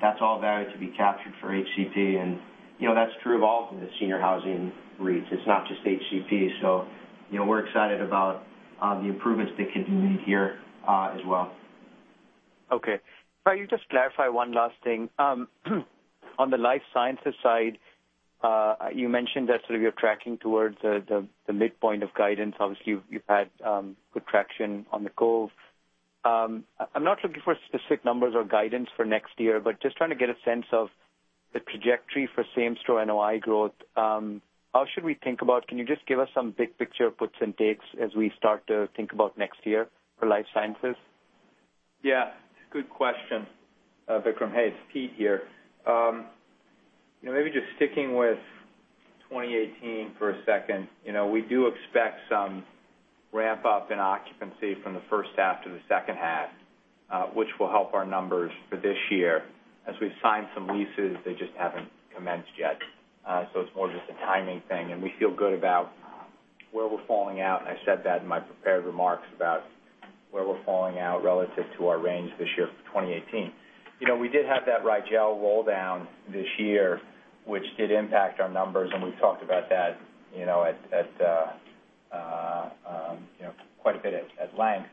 That's all there to be captured for HCP, and that's true of all the senior housing REITs. It's not just HCP. We're excited about the improvements that can be made here as well. Okay. Can you just clarify one last thing? On the life sciences side, you mentioned that you're tracking towards the midpoint of guidance. Obviously, you've had good traction on The Cove. I'm not looking for specific numbers or guidance for next year, but just trying to get a sense of the trajectory for same-store NOI growth. Can you just give us some big-picture puts and takes as we start to think about next year for life sciences? Yeah, good question, Vikram. Hey, it's Pete here. Maybe just sticking with 2018 for a second. We do expect some ramp-up in occupancy from the first half to the second half, which will help our numbers for this year, as we've signed some leases, they just haven't commenced yet. It's more just a timing thing, and we feel good about where we're falling out, and I said that in my prepared remarks about where we're falling out relative to our range this year for 2018. We did have that Rigel roll-down this year, which did impact our numbers, and we've talked about that quite a bit at length.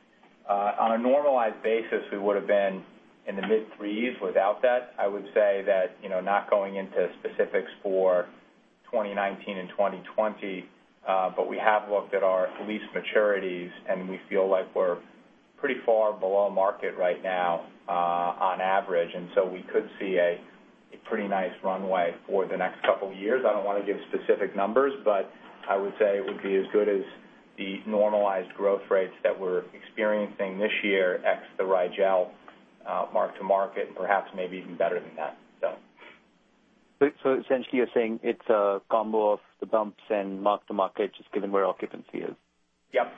On a normalized basis, we would've been in the mid threes without that. I would say that, not going into specifics for 2019 and 2020, but we have looked at our lease maturities, and we feel like we're pretty far below market right now on average, so we could see a pretty nice runway for the next couple of years. I don't want to give specific numbers, but I would say it would be as good as the normalized growth rates that we're experiencing this year ex the Rigel mark-to-market, and perhaps maybe even better than that. Essentially, you're saying it's a combo of the bumps and mark-to-market, just given where occupancy is. Yep.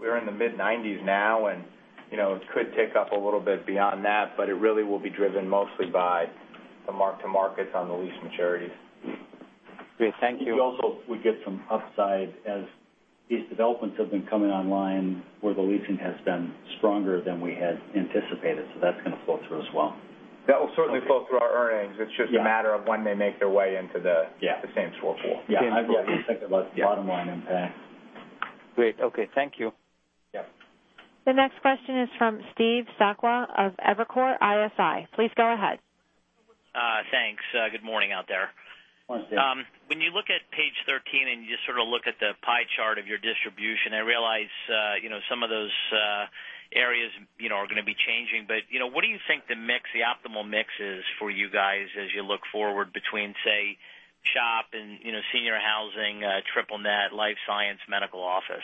We're in the mid-90s now, and it could tick up a little bit beyond that, but it really will be driven mostly by the mark-to-markets on the lease maturities. Great. Thank you. We also would get some upside as these developments have been coming online where the leasing has been stronger than we had anticipated, so that's going to flow through as well. That will certainly flow through our earnings. It's just a matter of when they make their way into. Yeah The same store pool. Same store pool. Yeah. I've got you thinking about the bottom line impact. Great. Okay. Thank you. Yeah. The next question is from Steve Sakwa of Evercore ISI. Please go ahead. Thanks. Good morning out there. Morning, Steve. When you look at page 13, you just sort of look at the pie chart of your distribution, I realize some of those areas are going to be changing. What do you think the optimal mix is for you guys as you look forward between, say, SHOP and senior housing, triple net, life science, medical office?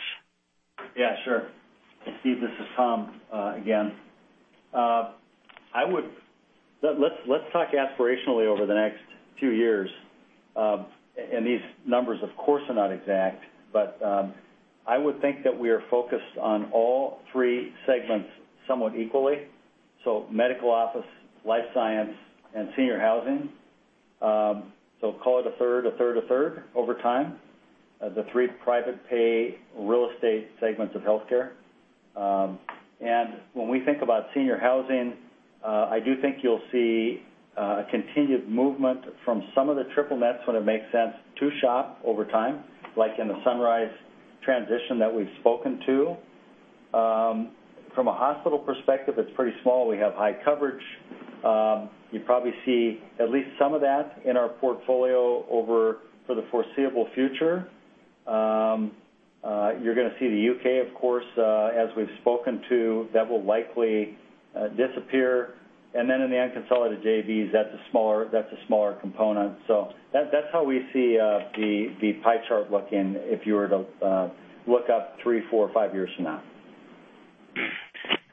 Yeah, sure. Steve, this is Tom again. Let's talk aspirationally over the next few years. These numbers, of course, are not exact, but I would think that we are focused on all three segments somewhat equally. Medical office, life science, and senior housing. Call it a third, a third, a third over time, the three private pay real estate segments of healthcare. When we think about senior housing, I do think you'll see a continued movement from some of the triple nets, when it makes sense, to SHOP over time, like in the Sunrise transition that we've spoken to. From a hospital perspective, it's pretty small. We have high coverage. You probably see at least some of that in our portfolio for the foreseeable future. You're going to see the U.K., of course, as we've spoken to. That will likely disappear. In the unconsolidated JVs, that's a smaller component. That's how we see the pie chart looking if you were to look up three, four, five years from now.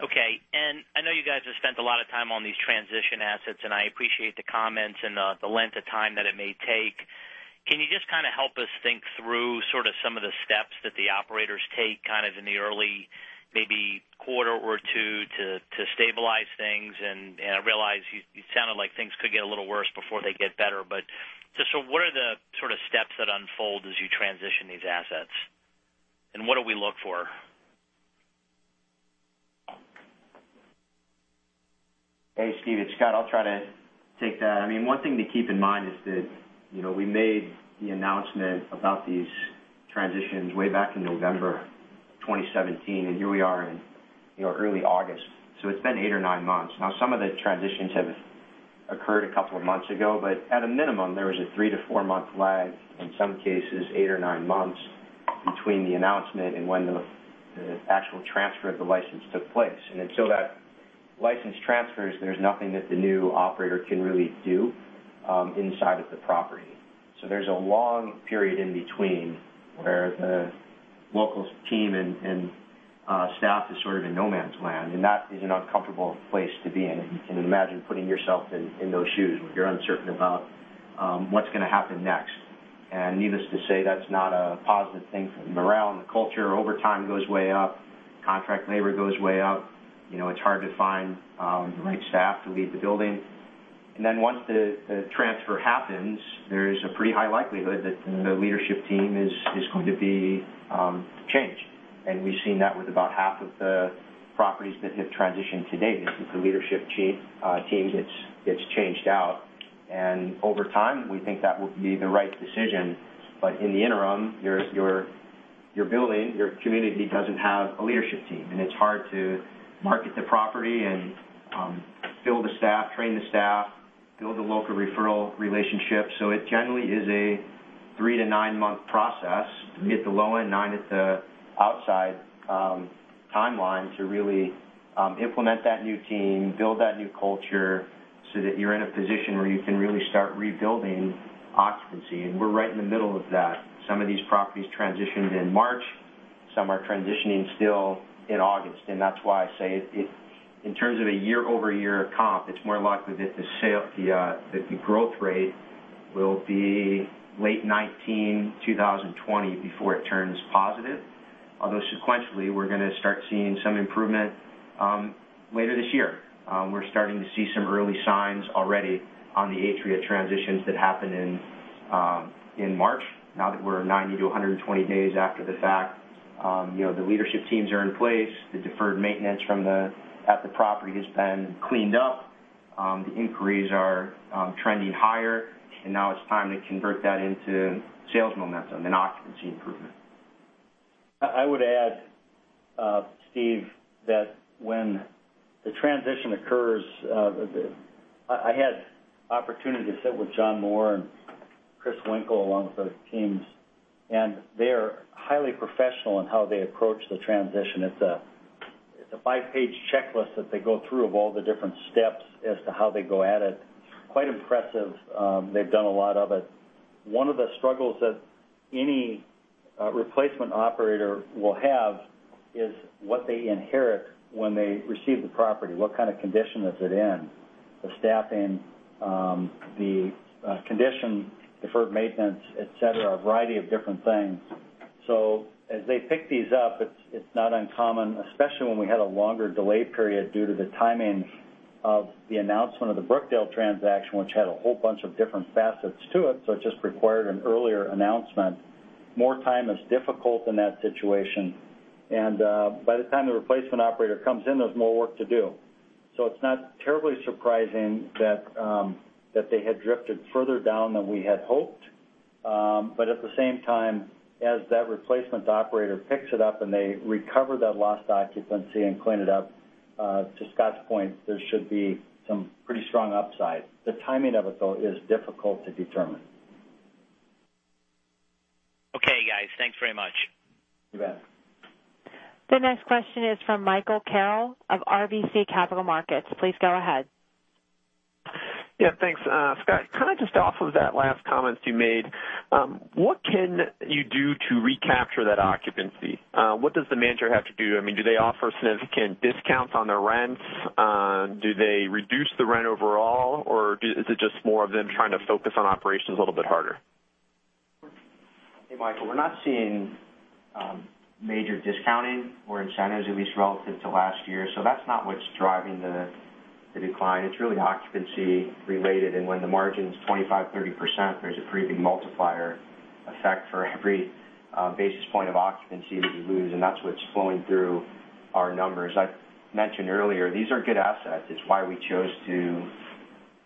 Okay. I know you guys have spent a lot of time on these transition assets, and I appreciate the comments and the length of time that it may take. Can you just kind of help us think through sort of some of the steps that the operators take kind of in the early maybe quarter or two to stabilize things? I realize you sounded like things could get a little worse before they get better. Just sort of what are the sort of steps that unfold as you transition these assets, and what do we look for? Hey, Steve. It is Scott. I will try to take that. One thing to keep in mind is that we made the announcement about these transitions way back in November 2017, and here we are in early August. It is been 8 or 9 months. Some of the transitions have occurred a couple of months ago, but at a minimum, there was a 3- to 4-month lag, in some cases 8 or 9 months, between the announcement and when the actual transfer of the license took place. Until that license transfers, there is nothing that the new operator can really do inside of the property. There is a long period in between where the local team and staff is sort of in no man's land, and that is an uncomfortable place to be in. You can imagine putting yourself in those shoes where you are uncertain about what is going to happen next. Needless to say, that is not a positive thing for the morale and the culture. Overtime goes way up. Contract labor goes way up. It is hard to find the right staff to lead the building. Once the transfer happens, there is a pretty high likelihood that the leadership team is going to be changed. We have seen that with about half of the properties that have transitioned to date, is that the leadership team gets changed out. Over time, we think that will be the right decision. In the interim, you are building, your community does not have a leadership team, and it is hard to market the property and build a staff, train the staff, build the local referral relationships. It generally is a 3- to 9-month process, 3 at the low end, 9 at the outside timeline to really implement that new team, build that new culture, so that you are in a position where you can really start rebuilding occupancy. We are right in the middle of that. Some of these properties transitioned in March, some are transitioning still in August, that is why I say, in terms of a year-over-year comp, it is more likely that the growth rate will be late 2019, 2020, before it turns positive. Although sequentially, we are going to start seeing some improvement later this year. We are starting to see some early signs already on the Atria transitions that happened in March, now that we are 90 to 120 days after the fact. The leadership teams are in place, the deferred maintenance at the property has been cleaned up. The inquiries are trending higher, now it is time to convert that into sales momentum and occupancy improvement. I would add, Steve, that when the transition occurs, I had opportunity to sit with John Moore and Chris Winkle, along with other teams, and they are highly professional in how they approach the transition. It's a five-page checklist that they go through of all the different steps as to how they go at it. Quite impressive. They've done a lot of it. One of the struggles that any replacement operator will have is what they inherit when they receive the property, what kind of condition is it in, the staffing, the condition, deferred maintenance, et cetera, a variety of different things. As they pick these up, it's not uncommon, especially when we had a longer delay period due to the timing of the announcement of the Brookdale transaction, which had a whole bunch of different facets to it just required an earlier announcement. More time is difficult in that situation. By the time the replacement operator comes in, there's more work to do. It's not terribly surprising that they had drifted further down than we had hoped. At the same time, as that replacement operator picks it up and they recover that lost occupancy and clean it up, to Scott's point, there should be some pretty strong upside. The timing of it, though, is difficult to determine. Okay, guys. Thanks very much. You bet. The next question is from Michael Carroll of RBC Capital Markets. Please go ahead. Yeah, thanks. Scott, just off of that last comment you made, what can you do to recapture that occupancy? What does the manager have to do? Do they offer significant discounts on their rents? Do they reduce the rent overall, or is it just more of them trying to focus on operations a little bit harder? Hey, Michael. We're not seeing major discounting or incentives, at least relative to last year. That's not what's driving the decline. It's really occupancy related, and when the margin's 25%-30%, there's a pretty big multiplier effect for every basis point of occupancy that you lose, and that's what's flowing through our numbers. I mentioned earlier, these are good assets. It's why we chose to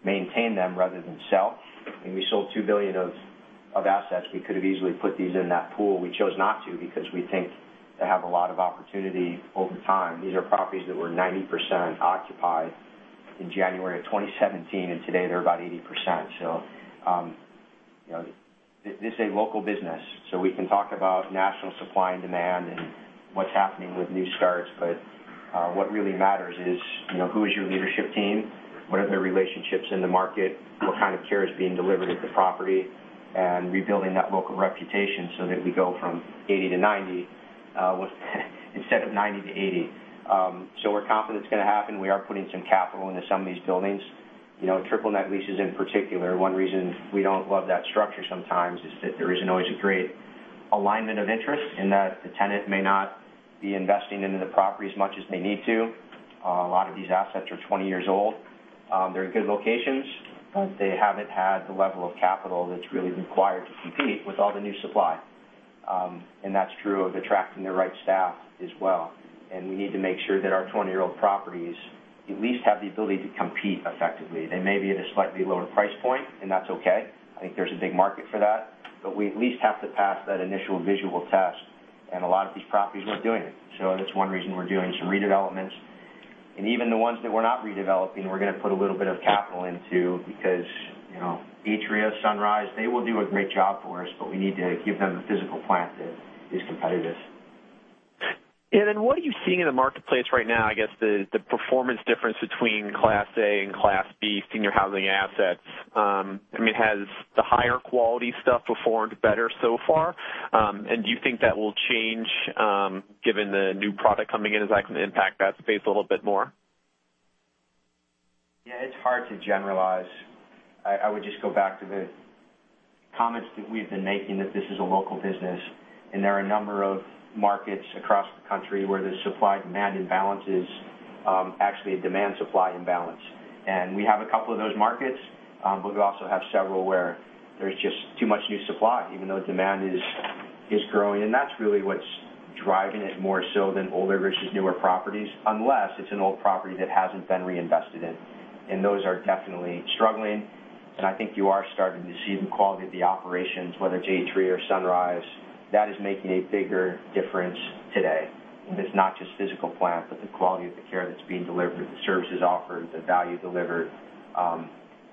maintain them rather than sell. When we sold $2 billion of assets, we could've easily put these in that pool. We chose not to because we think they have a lot of opportunity over time. These are properties that were 90% occupied in January of 2017, and today they're about 80%. This is a local business, so we can talk about national supply and demand and what's happening with new starts, but what really matters is who is your leadership team, what are their relationships in the market, what kind of care is being delivered at the property, and rebuilding that local reputation so that we go from 80 to 90, instead of 90 to 80. We're confident it's going to happen. We are putting some capital into some of these buildings. Triple-net leases in particular. One reason we don't love that structure sometimes is that there isn't always a great alignment of interest in that the tenant may not be investing into the property as much as they need to. A lot of these assets are 20 years old. They're in good locations, but they haven't had the level of capital that's really required to compete with all the new supply. That's true of attracting the right staff as well, and we need to make sure that our 20-year-old properties at least have the ability to compete effectively. They may be at a slightly lower price point, and that's okay. I think there's a big market for that, but we at least have to pass that initial visual test, and a lot of these properties weren't doing it. That's one reason we're doing some redevelopments. Even the ones that we're not redeveloping, we're going to put a little bit of capital into because Atria, Sunrise, they will do a great job for us, but we need to give them the physical plant that is competitive. What are you seeing in the marketplace right now, I guess, the performance difference between Class A and Class B senior housing assets? Has the higher quality stuff performed better so far? Do you think that will change given the new product coming in? Is that going to impact that space a little bit more? It's hard to generalize. I would just go back to the comments that we've been making, that this is a local business, and there are a number of markets across the country where there's supply and demand imbalances. Actually a demand-supply imbalance. We have a couple of those markets, but we also have several where there's just too much new supply, even though demand is growing. That's really what's driving it more so than older versus newer properties, unless it's an old property that hasn't been reinvested in. Those are definitely struggling, and I think you are starting to see the quality of the operations, whether J3 or Sunrise. That is making a bigger difference today. It's not just physical plant, but the quality of the care that's being delivered, the services offered, the value delivered,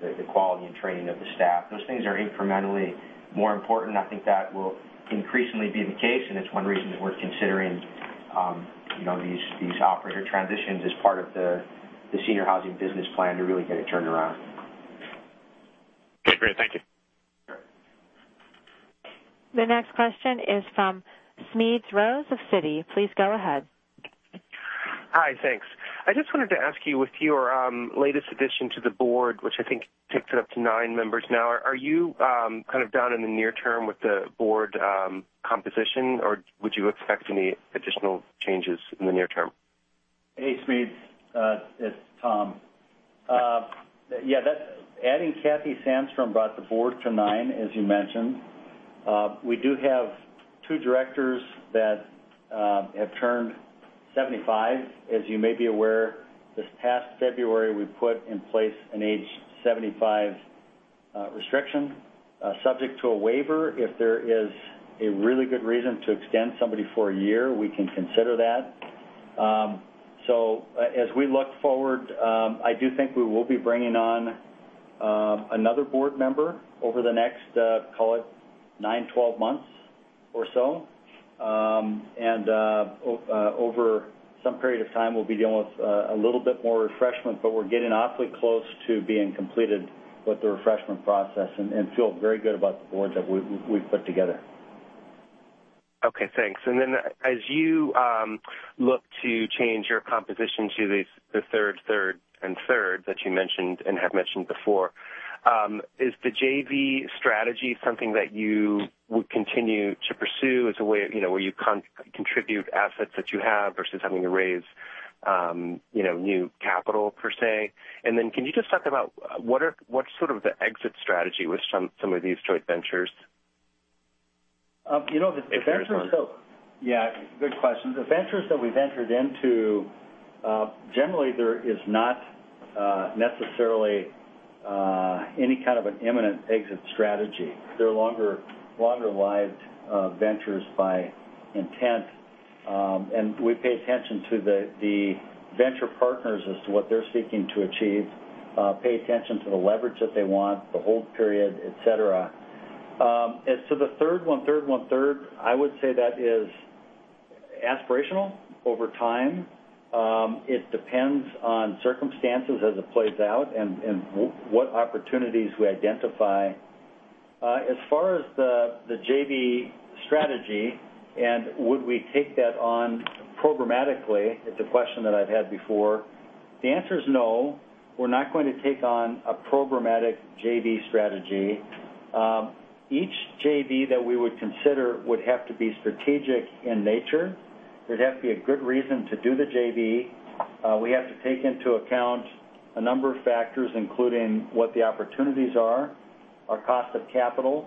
the quality and training of the staff. Those things are incrementally more important, I think that will increasingly be the case, it's one reason that we're considering these operator transitions as part of the senior housing business plan to really get it turned around. Okay, great. Thank you. Sure. The next question is from Smead Rhodes of Citi. Please go ahead. Hi, thanks. I just wanted to ask you, with your latest addition to the board, which I think takes it up to nine members now, are you done in the near term with the board composition, or would you expect any additional changes in the near term? Hey, Smead. It's Tom. Adding Katherine Sandstrom brought the board to nine, as you mentioned. We do have two directors that have turned 75. As you may be aware, this past February, we put in place an age 75 restriction, subject to a waiver. If there is a really good reason to extend somebody for a year, we can consider that. As we look forward, I do think we will be bringing on another board member over the next, call it, nine, 12 months or so. Over some period of time, we'll be dealing with a little bit more refreshment, but we're getting awfully close to being completed with the refreshment process and feel very good about the board that we've put together. Okay, thanks. Then as you look to change your composition to the third, and third that you mentioned and have mentioned before, is the JV strategy something that you would continue to pursue as a way where you contribute assets that you have versus having to raise new capital, per se? Then can you just talk about what's sort of the exit strategy with some of these joint ventures? The ventures that- If there is one. Yeah, good question. The ventures that we've entered into, generally, there is not necessarily any kind of an imminent exit strategy. They're longer lived ventures by intent. We pay attention to the venture partners as to what they're seeking to achieve, pay attention to the leverage that they want, the hold period, et cetera. As to the one-third, one-third, I would say that is aspirational over time. It depends on circumstances as it plays out and what opportunities we identify. As far as the JV strategy and would we take that on programmatically, it's a question that I've had before. The answer is no. We're not going to take on a programmatic JV strategy. Each JV that we would consider would have to be strategic in nature. There'd have to be a good reason to do the JV. We have to take into account a number of factors, including what the opportunities are, our cost of capital,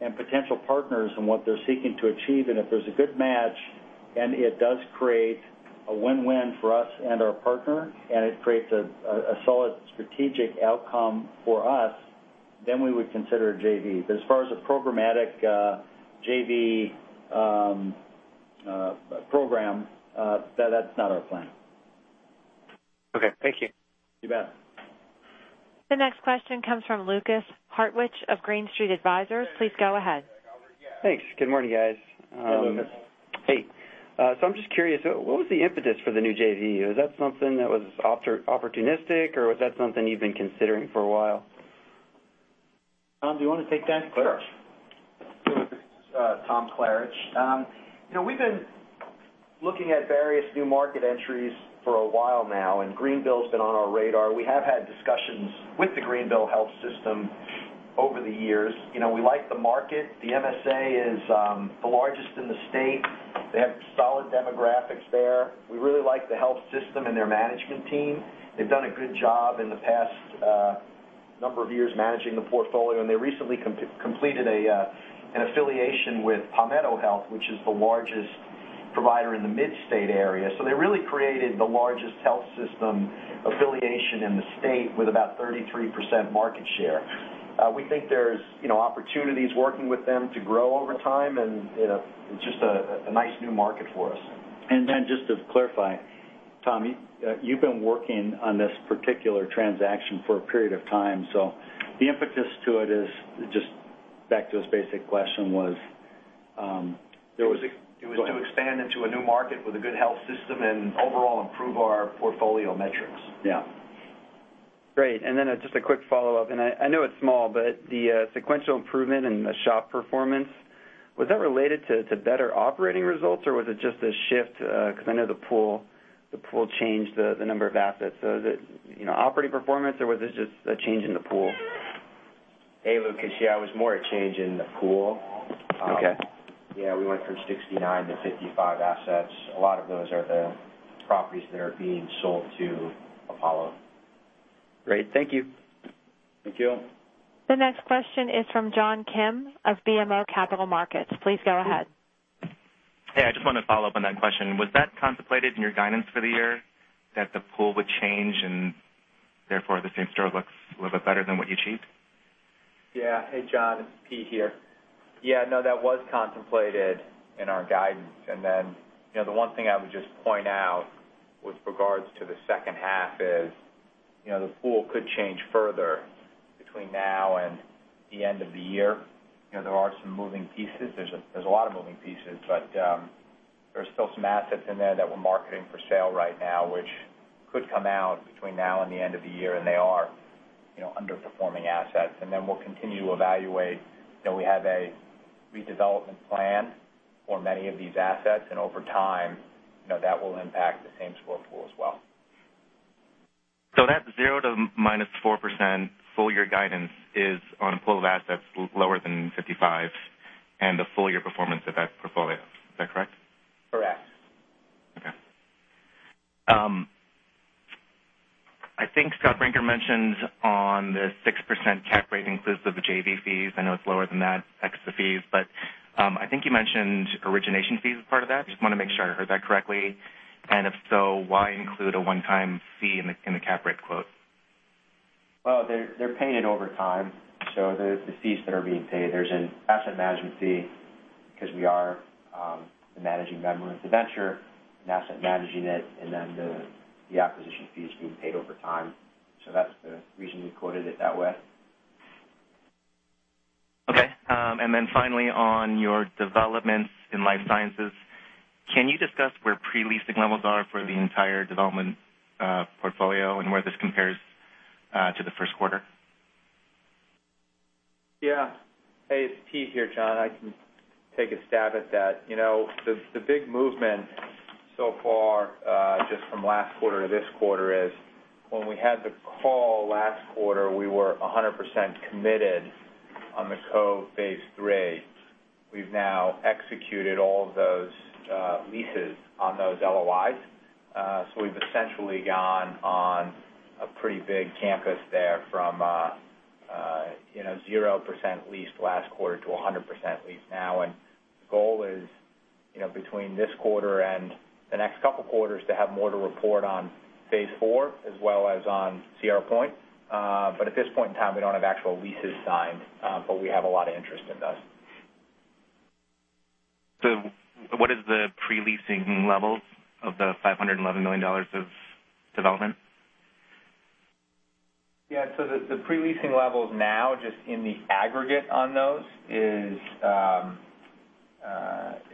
and potential partners and what they're seeking to achieve, and if there's a good match and it does create a win-win for us and our partner, and it creates a solid strategic outcome for us, then we would consider a JV. As far as a programmatic JV program, that's not our plan. Okay. Thank you. You bet. The next question comes from Lukas Hartwich of Green Street Advisors. Please go ahead. Thanks. Good morning, guys. Hey, Lukas. Hey. I'm just curious, what was the impetus for the new JV? Is that something that was opportunistic, or was that something you've been considering for a while? Tom, do you want to take that? Sure. Thomas Klaritch. We've been looking at various new market entries for a while now. Greenville's been on our radar. We have had discussions with the Greenville Health System over the years. We like the market. The MSA is the largest in the state. They have solid demographics there. We really like the health system and their management team. They've done a good job in the past number of years managing the portfolio. They recently completed an affiliation with Palmetto Health, which is the largest provider in the mid-state area. They really created the largest health system affiliation in the state with about 33% market share. We think there's opportunities working with them to grow over time. It's just a nice new market for us. Just to clarify, Tom, you've been working on this particular transaction for a period of time. The impetus to it is just back to his basic question was there was. Go ahead. It was to expand into a new market with a good health system and overall improve our portfolio metrics. Yeah. Great. Just a quick follow-up, and I know it's small, but the sequential improvement in the SHOP performance, was that related to better operating results, or was it just a shift? I know the pool changed the number of assets. Is it operating performance, or was this just a change in the pool? Hey, Lukas. Yeah, it was more a change in the pool. Okay. Yeah, we went from 69 to 55 assets. A lot of those are the properties that are being sold to Apollo. Great. Thank you. Thank you. The next question is from John Kim of BMO Capital Markets. Please go ahead. Hey, I just wanted to follow up on that question. Was that contemplated in your guidance for the year, that the pool would change and therefore the same-store looks a little bit better than what you achieved? Hey, John. It's Pete here. That was contemplated in our guidance. The one thing I would just point out with regards to the second half is, the pool could change further between now and the end of the year. There are some moving pieces. There's a lot of moving pieces, there are still some assets in there that we're marketing for sale right now, which could come out between now and the end of the year, and they are underperforming assets. We'll continue to evaluate, we have a redevelopment plan for many of these assets, and over time, that will impact the same-store pool as well. That 0% to -4% full-year guidance is on a pool of assets lower than 55 and the full-year performance of that portfolio. Is that correct? Correct. Okay. I think Scott Brinker mentioned on the 6% cap rate inclusive of JV fees. I know it's lower than that, ex the fees, but I think you mentioned origination fees as part of that. Just want to make sure I heard that correctly, and if so, why include a one-time fee in the cap rate quote? Well, they're paid over time. The fees that are being paid, there's an asset management fee because we are the managing member of the venture and asset managing it. The acquisition fee is being paid over time. That's the reason we quoted it that way. Okay. Finally, on your developments in life sciences, can you discuss where pre-leasing levels are for the entire development portfolio and where this compares to the first quarter? Yeah. Hey, it's Pete here, John. I can take a stab at that. The big movement so far, just from last quarter to this quarter is when we had the call last quarter, we were 100% committed on The Cove, Phase 3. We've now executed all of those leases on those LOIs. We've essentially gone on a pretty big campus there from 0% leased last quarter to 100% leased now. The goal is, between this quarter and the next couple of quarters, to have more to report on Phase 4 as well as on Sierra Point. At this point in time, we don't have actual leases signed, but we have a lot of interest in those. What is the pre-leasing levels of the $511 million of development? Yeah. The pre-leasing levels now, just in the aggregate on those,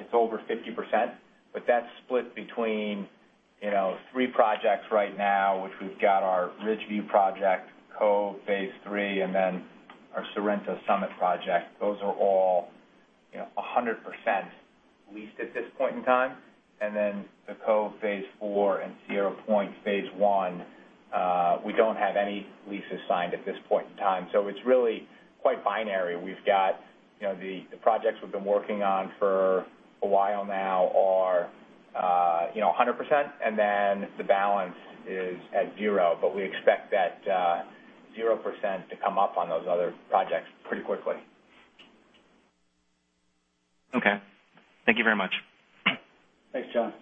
it's over 50%, but that's split between three projects right now, which we've got our Ridgeview project, The Cove Phase 3, and our Sorrento Summit project. Those are all 100% leased at this point in time. The Cove Phase 4 and Sierra Point Phase 1, we don't have any leases signed at this point in time, so it's really quite binary. We've got the projects we've been working on for a while now are 100%, and then the balance is at zero, but we expect that 0% to come up on those other projects pretty quickly. Okay. Thank you very much. Thanks, John.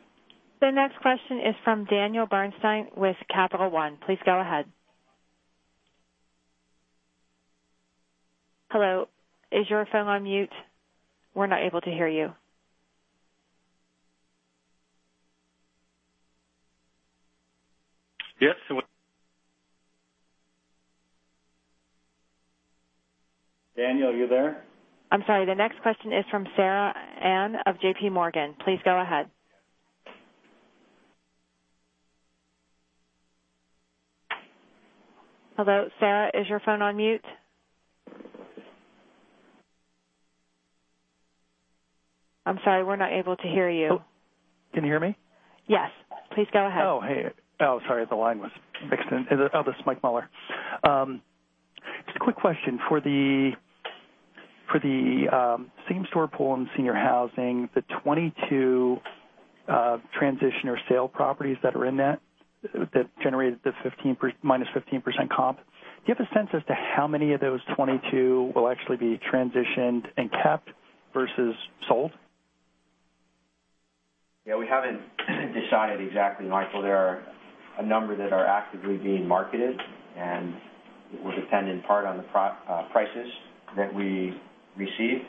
The next question is from Daniel Bernstein with Capital One. Please go ahead. Hello, is your phone on mute? We're not able to hear you. Yes, we're- Daniel, are you there? I'm sorry. The next question is from Sarah Ann of JPMorgan. Please go ahead. Hello, Sarah. Is your phone on mute? I'm sorry. We're not able to hear you. Can you hear me? Yes. Please go ahead. Oh, hey. Oh, sorry. The line was mixed in. This is Michael Mueller. Just a quick question. For the same-store pool in senior housing, the 22 transition or sale properties that are in that generated the -15% comp, do you have a sense as to how many of those 22 will actually be transitioned and kept versus sold? Yeah, we haven't decided exactly, Michael. There are a number that are actively being marketed. It will depend in part on the prices that we receive.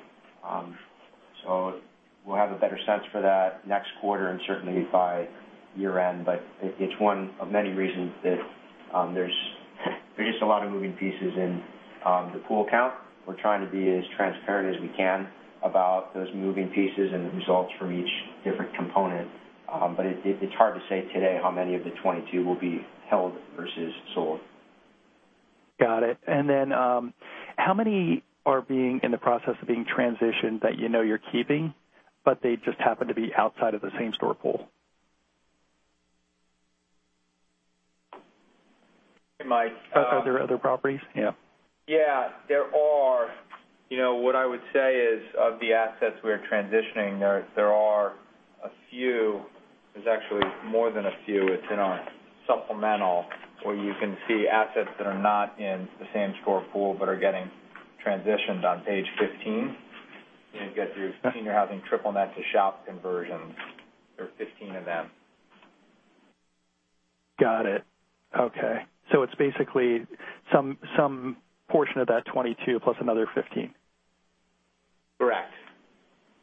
We'll have a better sense for that next quarter and certainly by year-end. It's one of many reasons that there's just a lot of moving pieces in the pool count. We're trying to be as transparent as we can about those moving pieces and the results from each different component. It's hard to say today how many of the 22 will be held versus sold. Got it. How many are in the process of being transitioned that you know you're keeping, but they just happen to be outside of the same-store pool? Hey, Mike. Are there other properties? Yeah. Yeah, there are. What I would say is, of the assets we are transitioning, there are a few. There's actually more than a few. It's in our supplemental, where you can see assets that are not in the same-store pool but are getting transitioned on page 15. You get your senior housing triple net-to-SHOP conversions. There are 15 of them. Got it. Okay. It's basically some portion of that 22 plus another 15. Correct.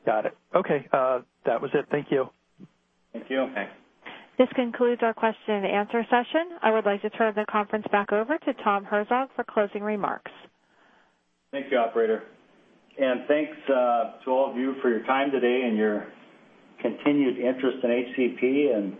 Got it. Okay. That was it. Thank you. Thank you. Thanks. This concludes our question and answer session. I would like to turn the conference back over to Tom Herzog for closing remarks. Thank you, operator. Thanks to all of you for your time today and your continued interest in HCP and